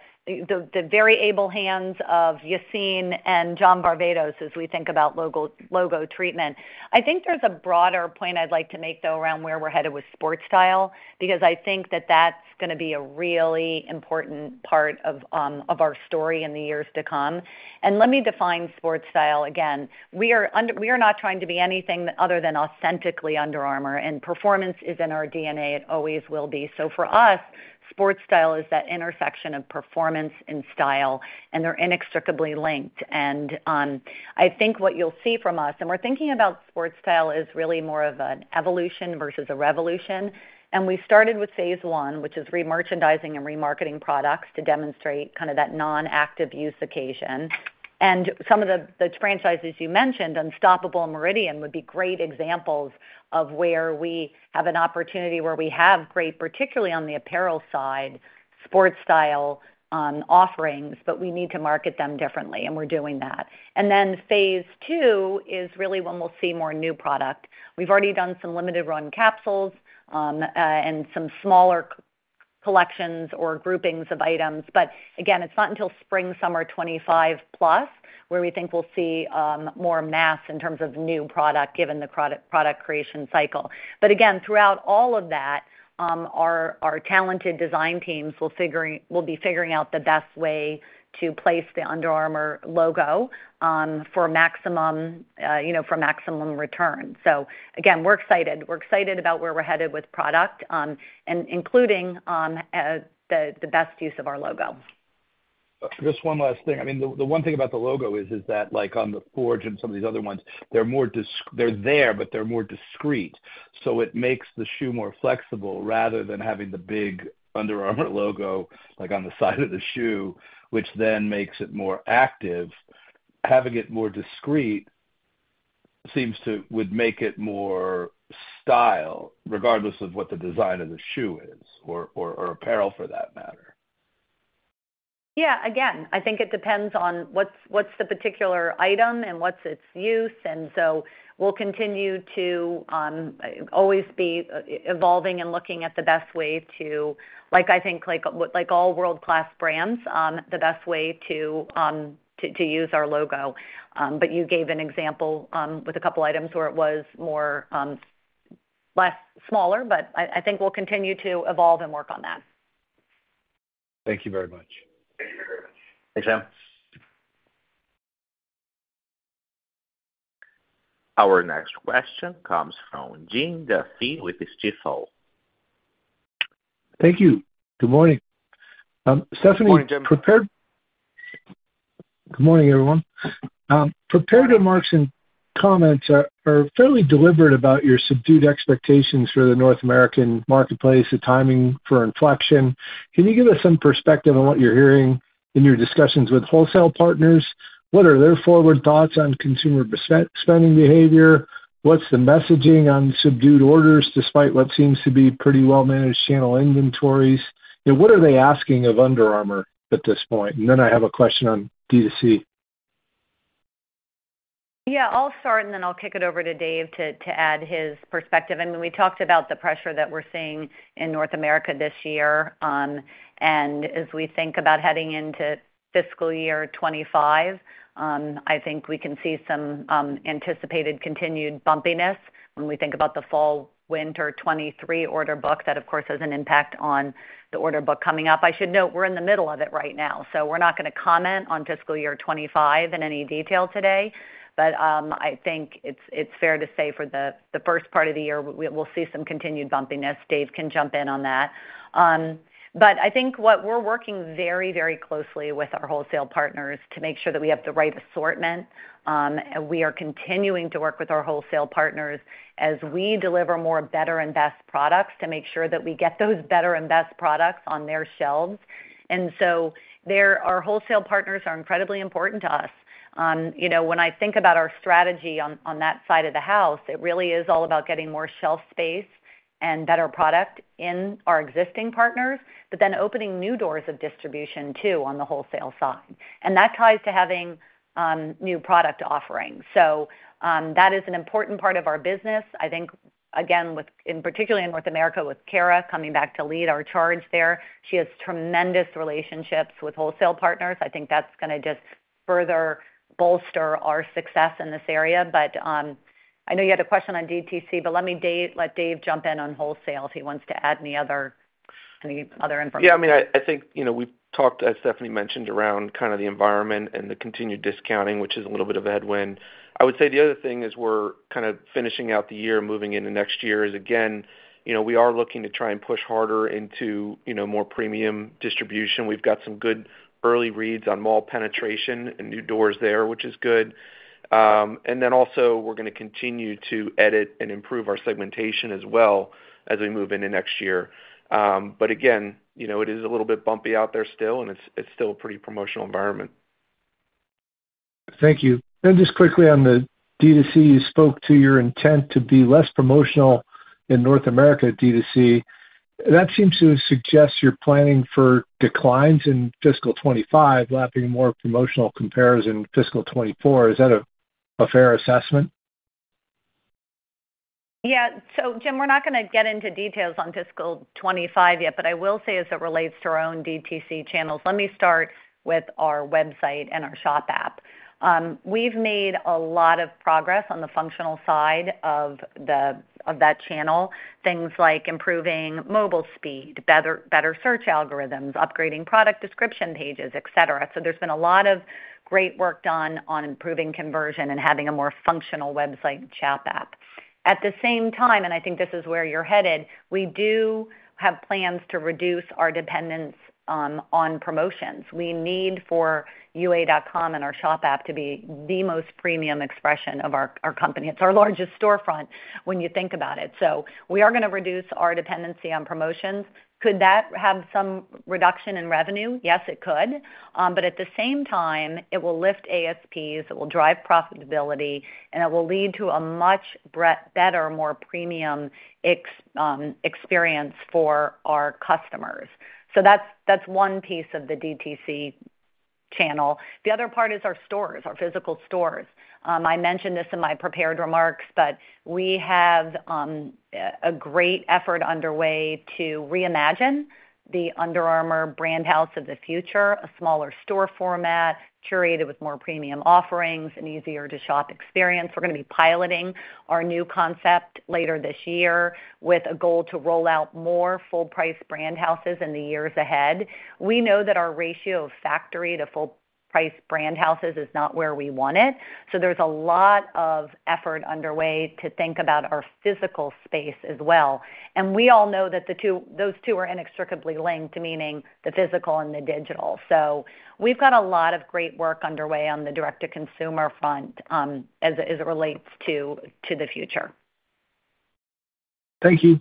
very able hands of Yassine and John Varvatos as we think about logo, logo treatment. I think there's a broader point I'd like to make, though, around where we're headed with sports style, because I think that's gonna be a really important part of our story in the years to come. And let me define sports style again. We are not trying to be anything other than authentically Under Armour, and performance is in our DNA. It always will be. So for us, sports style is that intersection of performance and style, and they're inextricably linked. And I think what you'll see from us, and we're thinking about sports style as really more of an evolution versus a revolution. And we started with phase one, which is remerchandising and remarketing products to demonstrate kind of that non-active use occasion. And some of the franchises you mentioned, Unstoppable and Meridian, would be great examples of where we have an opportunity, where we have great, particularly on the apparel side, sports style offerings, but we need to market them differently, and we're doing that. And then phase two is really when we'll see more new product. We've already done some limited run capsules, and some smaller collections or groupings of items. But again, it's not until spring, summer 25 plus, where we think we'll see more mass in terms of new product, given the product creation cycle. But again, throughout all of that, our talented design teams will be figuring out the best way to place the Under Armour logo for maximum, you know, for maximum return. So again, we're excited. We're excited about where we're headed with product, and including the best use of our logo. Just one last thing. I mean, the one thing about the logo is that, like, on the Forge and some of these other ones, they're more discreet. They're there, but they're more discreet. So it makes the shoe more flexible rather than having the big Under Armour logo, like on the side of the shoe, which then makes it more active. Having it more discreet seems to would make it more style, regardless of what the design of the shoe is or apparel, for that matter. Yeah, again, I think it depends on what's the particular item and what's its use, and so we'll continue to always be evolving and looking at the best way to... Like, I think, like all world-class brands, the best way to use our logo. But you gave an example with a couple of items where it was more less smaller, but I think we'll continue to evolve and work on that. Thank you very much. Thanks, Sam. Our next question comes from Jim Duffy with Stifel. Thank you. Good morning. Stephanie, prepared- Good morning, Jim. Good morning, everyone. Prepared remarks and comments are fairly deliberate about your subdued expectations for the North American marketplace, the timing for inflection. Can you give us some perspective on what you're hearing in your discussions with wholesale partners? What are their forward thoughts on consumer spending behavior? What's the messaging on subdued orders, despite what seems to be pretty well-managed channel inventories? And what are they asking of Under Armour at this point? And then I have a question on DTC. Yeah, I'll start, and then I'll kick it over to Dave to add his perspective. I mean, we talked about the pressure that we're seeing in North America this year. And as we think about heading into fiscal year 2025, I think we can see some anticipated continued bumpiness. When we think about the fall/winter 2023 order book, that, of course, has an impact on the order book coming up. I should note we're in the middle of it right now, so we're not gonna comment on fiscal year 2025 in any detail today. But I think it's fair to say for the first part of the year, we'll see some continued bumpiness. Dave can jump in on that. But I think what we're working very, very closely with our wholesale partners to make sure that we have the right assortment, and we are continuing to work with our wholesale partners as we deliver more better and best products, to make sure that we get those better and best products on their shelves. And so there, our wholesale partners are incredibly important to us. You know, when I think about our strategy on that side of the house, it really is all about getting more shelf space and better product in our existing partners, but then opening new doors of distribution, too, on the wholesale side. And that ties to having new product offerings. So, that is an important part of our business. I think, again, with—in particular in North America, with Kara coming back to lead our charge there, she has tremendous relationships with wholesale partners. I think that's gonna just further bolster our success in this area. But, I know you had a question on DTC, but let me—let Dave jump in on wholesale if he wants to add any other, any other information. Yeah, I mean, I think, you know, we've talked, as Stephanie mentioned, around kind of the environment and the continued discounting, which is a little bit of a headwind. I would say the other thing is we're kind of finishing out the year, moving into next year, is again, you know, we are looking to try and push harder into, you know, more premium distribution. We've got some good early reads on mall penetration and new doors there, which is good. And then also we're gonna continue to edit and improve our segmentation as well as we move into next year. But again, you know, it is a little bit bumpy out there still, and it's, it's still a pretty promotional environment. Thank you. Then just quickly on the DTC, you spoke to your intent to be less promotional in North America DTC. That seems to suggest you're planning for declines in fiscal 2025, lacking more promotional compares in fiscal 2024. Is that a fair assessment? Yeah. So, Jim, we're not gonna get into details on fiscal 25 yet, but I will say as it relates to our own DTC channels, let me start with our website and our shop app. We've made a lot of progress on the functional side of that channel. Things like improving mobile speed, better search algorithms, upgrading product description pages, et cetera. So there's been a lot of great work done on improving conversion and having a more functional website and shop app. At the same time, and I think this is where you're headed, we do have plans to reduce our dependence on promotions. We need for ua.com and our shop app to be the most premium expression of our company. It's our largest storefront when you think about it. So we are gonna reduce our dependency on promotions. Could that have some reduction in revenue? Yes, it could. But at the same time, it will lift ASPs, it will drive profitability, and it will lead to a much better, more premium experience for our customers. So that's one piece of the DTC channel. The other part is our stores, our physical stores. I mentioned this in my prepared remarks, but we have a great effort underway to reimagine the Under Armour brand house of the future, a smaller store format, curated with more premium offerings and easier to shop experience. We're gonna be piloting our new concept later this year with a goal to roll out more full price brand houses in the years ahead. We know that our ratio of factory to full price brand houses is not where we want it, so there's a lot of effort underway to think about our physical space as well. And we all know that the two, those two are inextricably linked, meaning the physical and the digital. So we've got a lot of great work underway on the direct-to-consumer front, as it relates to the future. Thank you.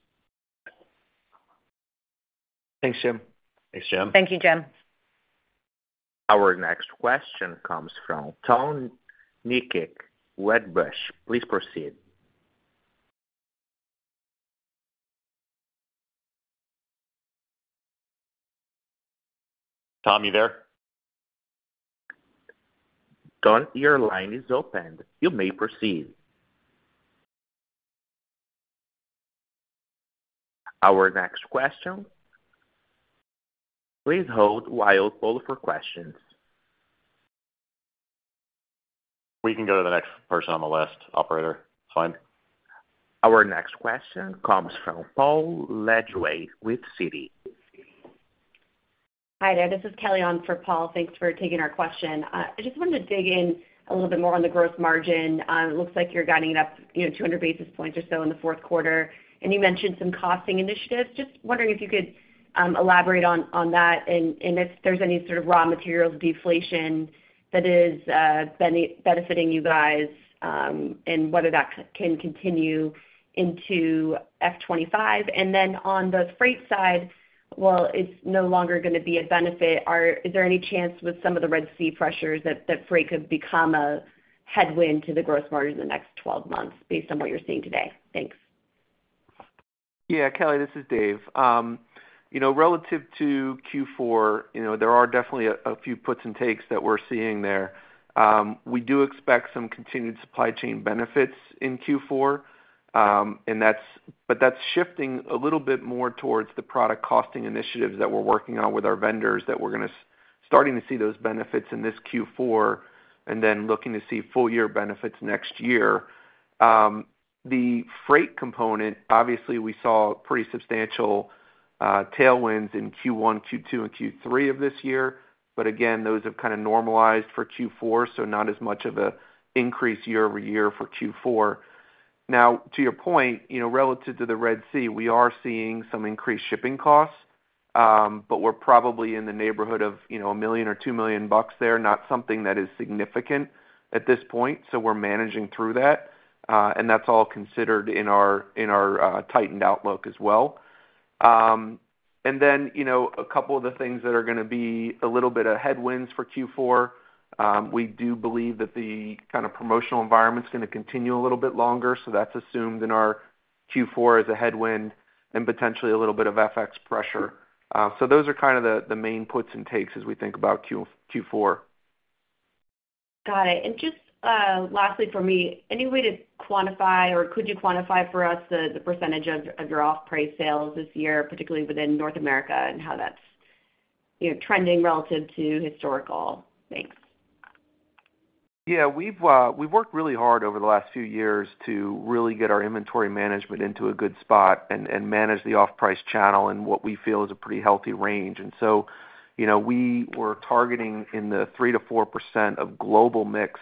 Thanks, Jim. Thanks, Jim. Thank you, Jim. Our next question comes from Tom Nikic, Wedbush. Please proceed. Tom, are you there? Tom, your line is open. You may proceed. Our next question... Please hold while we hold for questions. We can go to the next person on the list, operator. It's fine. Our next question comes from Paul Lejuez with Citi. Hi there, this is Kelly on for Paul. Thanks for taking our question. I just wanted to dig in a little bit more on the gross margin. It looks like you're guiding it up, you know, 200 basis points or so in the fourth quarter, and you mentioned some costing initiatives. Just wondering if you could elaborate on that, and if there's any sort of raw materials deflation that is benefiting you guys, and whether that can continue into F 25. And then on the freight side, while it's no longer gonna be a benefit, is there any chance with some of the Red Sea pressures that freight could become a headwind to the gross margin in the next twelve months based on what you're seeing today? Thanks. Yeah, Kelly, this is Dave. You know, relative to Q4, you know, there are definitely a few puts and takes that we're seeing there. We do expect some continued supply chain benefits in Q4, and that's but that's shifting a little bit more towards the product costing initiatives that we're working on with our vendors, that we're gonna starting to see those benefits in this Q4, and then looking to see full year benefits next year. The freight component, obviously, we saw pretty substantial tailwinds in Q1, Q2, and Q3 of this year, but again, those have kind of normalized for Q4, so not as much of a increase year-over-year for Q4. Now, to your point, you know, relative to the Red Sea, we are seeing some increased shipping costs, but we're probably in the neighborhood of, you know, $1 million or $2 million there, not something that is significant at this point, so we're managing through that. And that's all considered in our tightened outlook as well. And then, you know, a couple of the things that are gonna be a little bit of headwinds for Q4. We do believe that the kind of promotional environment is gonna continue a little bit longer, so that's assumed in our Q4 as a headwind and potentially a little bit of FX pressure. So those are kind of the main puts and takes as we think about Q4. Got it. And just, lastly for me, any way to quantify or could you quantify for us the, the percentage of, of your off-price sales this year, particularly within North America, and how that's, you know, trending relative to historical? Thanks. Yeah, we've, we've worked really hard over the last few years to really get our inventory management into a good spot and manage the off-price channel and what we feel is a pretty healthy range. And so, you know, we were targeting in the 3%-4% of global mix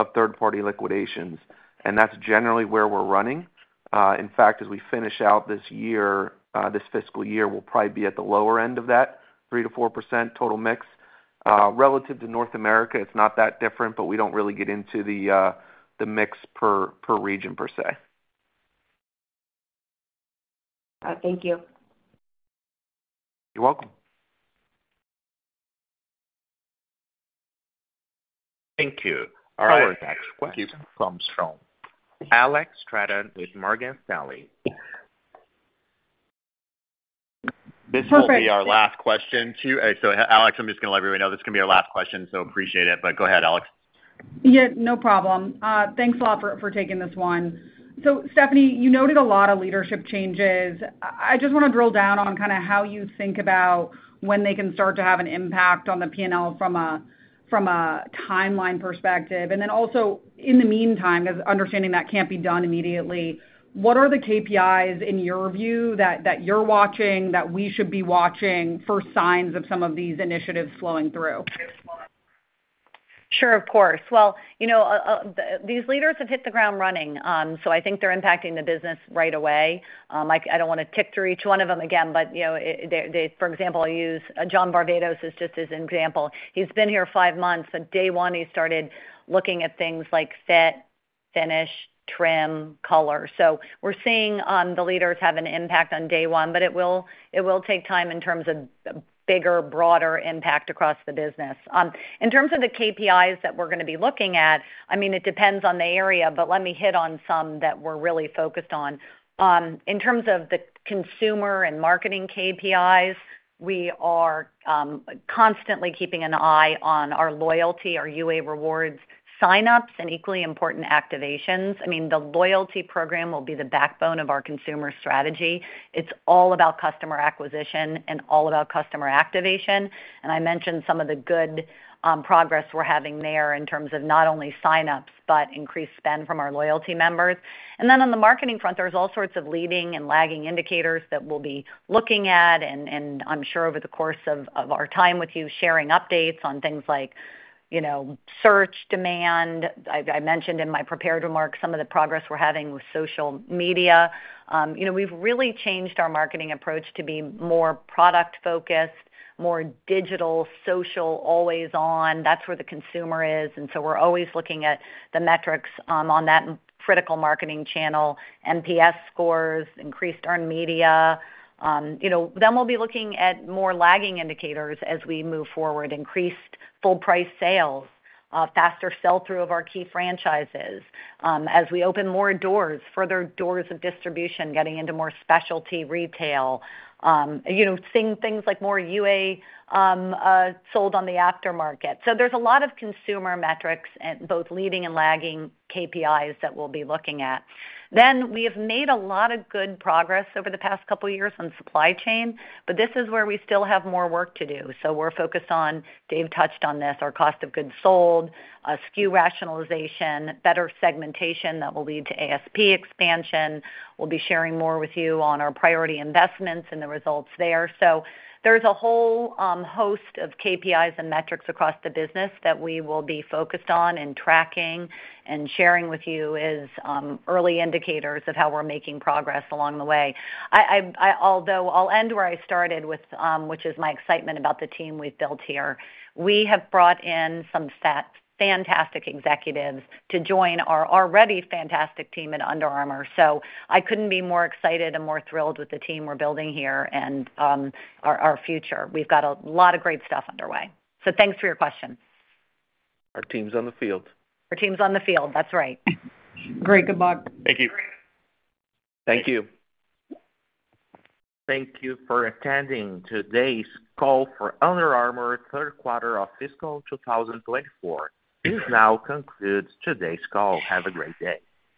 of third-party liquidations, and that's generally where we're running. In fact, as we finish out this year, this fiscal year, we'll probably be at the lower end of that 3%-4% total mix. Relative to North America, it's not that different, but we don't really get into the mix per region, per se. Thank you. You're welcome. Thank you. Our next question comes from Alex Straton with Morgan Stanley. This will be our last question, too. So, Alex, I'm just gonna let everyone know this is gonna be our last question, so appreciate it, but go ahead, Alex. Yeah, no problem. Thanks a lot for taking this one. So Stephanie, you noted a lot of leadership changes. I just wanna drill down on kinda how you think about when they can start to have an impact on the P&L from a timeline perspective. And then also, in the meantime, as understanding that can't be done immediately, what are the KPIs in your view that you're watching, that we should be watching for signs of some of these initiatives flowing through? Sure, of course. Well, you know, these leaders have hit the ground running, so I think they're impacting the business right away. I, I don't wanna tick through each one of them again, but, you know, they, they... For example, I'll use John Varvatos as just as an example. He's been here five months. On day one, he started looking at things like fit, finish, trim, color. So we're seeing the leaders have an impact on day one, but it will, it will take time in terms of bigger, broader impact across the business. In terms of the KPIs that we're gonna be looking at, I mean, it depends on the area, but let me hit on some that we're really focused on. In terms of the consumer and marketing KPIs, we are constantly keeping an eye on our loyalty, our UA Rewards sign-ups, and equally important, activations. I mean, the loyalty program will be the backbone of our consumer strategy. It's all about customer acquisition and all about customer activation, and I mentioned some of the good progress we're having there in terms of not only sign-ups, but increased spend from our loyalty members. And then on the marketing front, there's all sorts of leading and lagging indicators that we'll be looking at, and, and I'm sure over the course of, of our time with you, sharing updates on things like, you know, search, demand. I mentioned in my prepared remarks some of the progress we're having with social media. You know, we've really changed our marketing approach to be more product focused, more digital, social, always on. That's where the consumer is, and so we're always looking at the metrics on that critical marketing channel, NPS scores, increased earned media. You know, then we'll be looking at more lagging indicators as we move forward. Increased full price sales, faster sell-through of our key franchises, as we open more doors, further doors of distribution, getting into more specialty retail, you know, seeing things like more UA sold on the aftermarket. So there's a lot of consumer metrics, and both leading and lagging KPIs that we'll be looking at. Then, we have made a lot of good progress over the past couple of years on supply chain, but this is where we still have more work to do. So we're focused on, Dave touched on this, our cost of goods sold, SKU rationalization, better segmentation that will lead to ASP expansion. We'll be sharing more with you on our priority investments and the results there. So there's a whole host of KPIs and metrics across the business that we will be focused on and tracking and sharing with you as early indicators of how we're making progress along the way. Although I'll end where I started with which is my excitement about the team we've built here. We have brought in some fantastic executives to join our already fantastic team at Under Armour, so I couldn't be more excited and more thrilled with the team we're building here and our future. We've got a lot of great stuff underway. So thanks for your question. Our team's on the field. Our team's on the field. That's right. Great. Good luck. Thank you. Great. Thank you. Thank you for attending today's call for Under Armour third quarter of fiscal 2024. This now concludes today's call. Have a great day.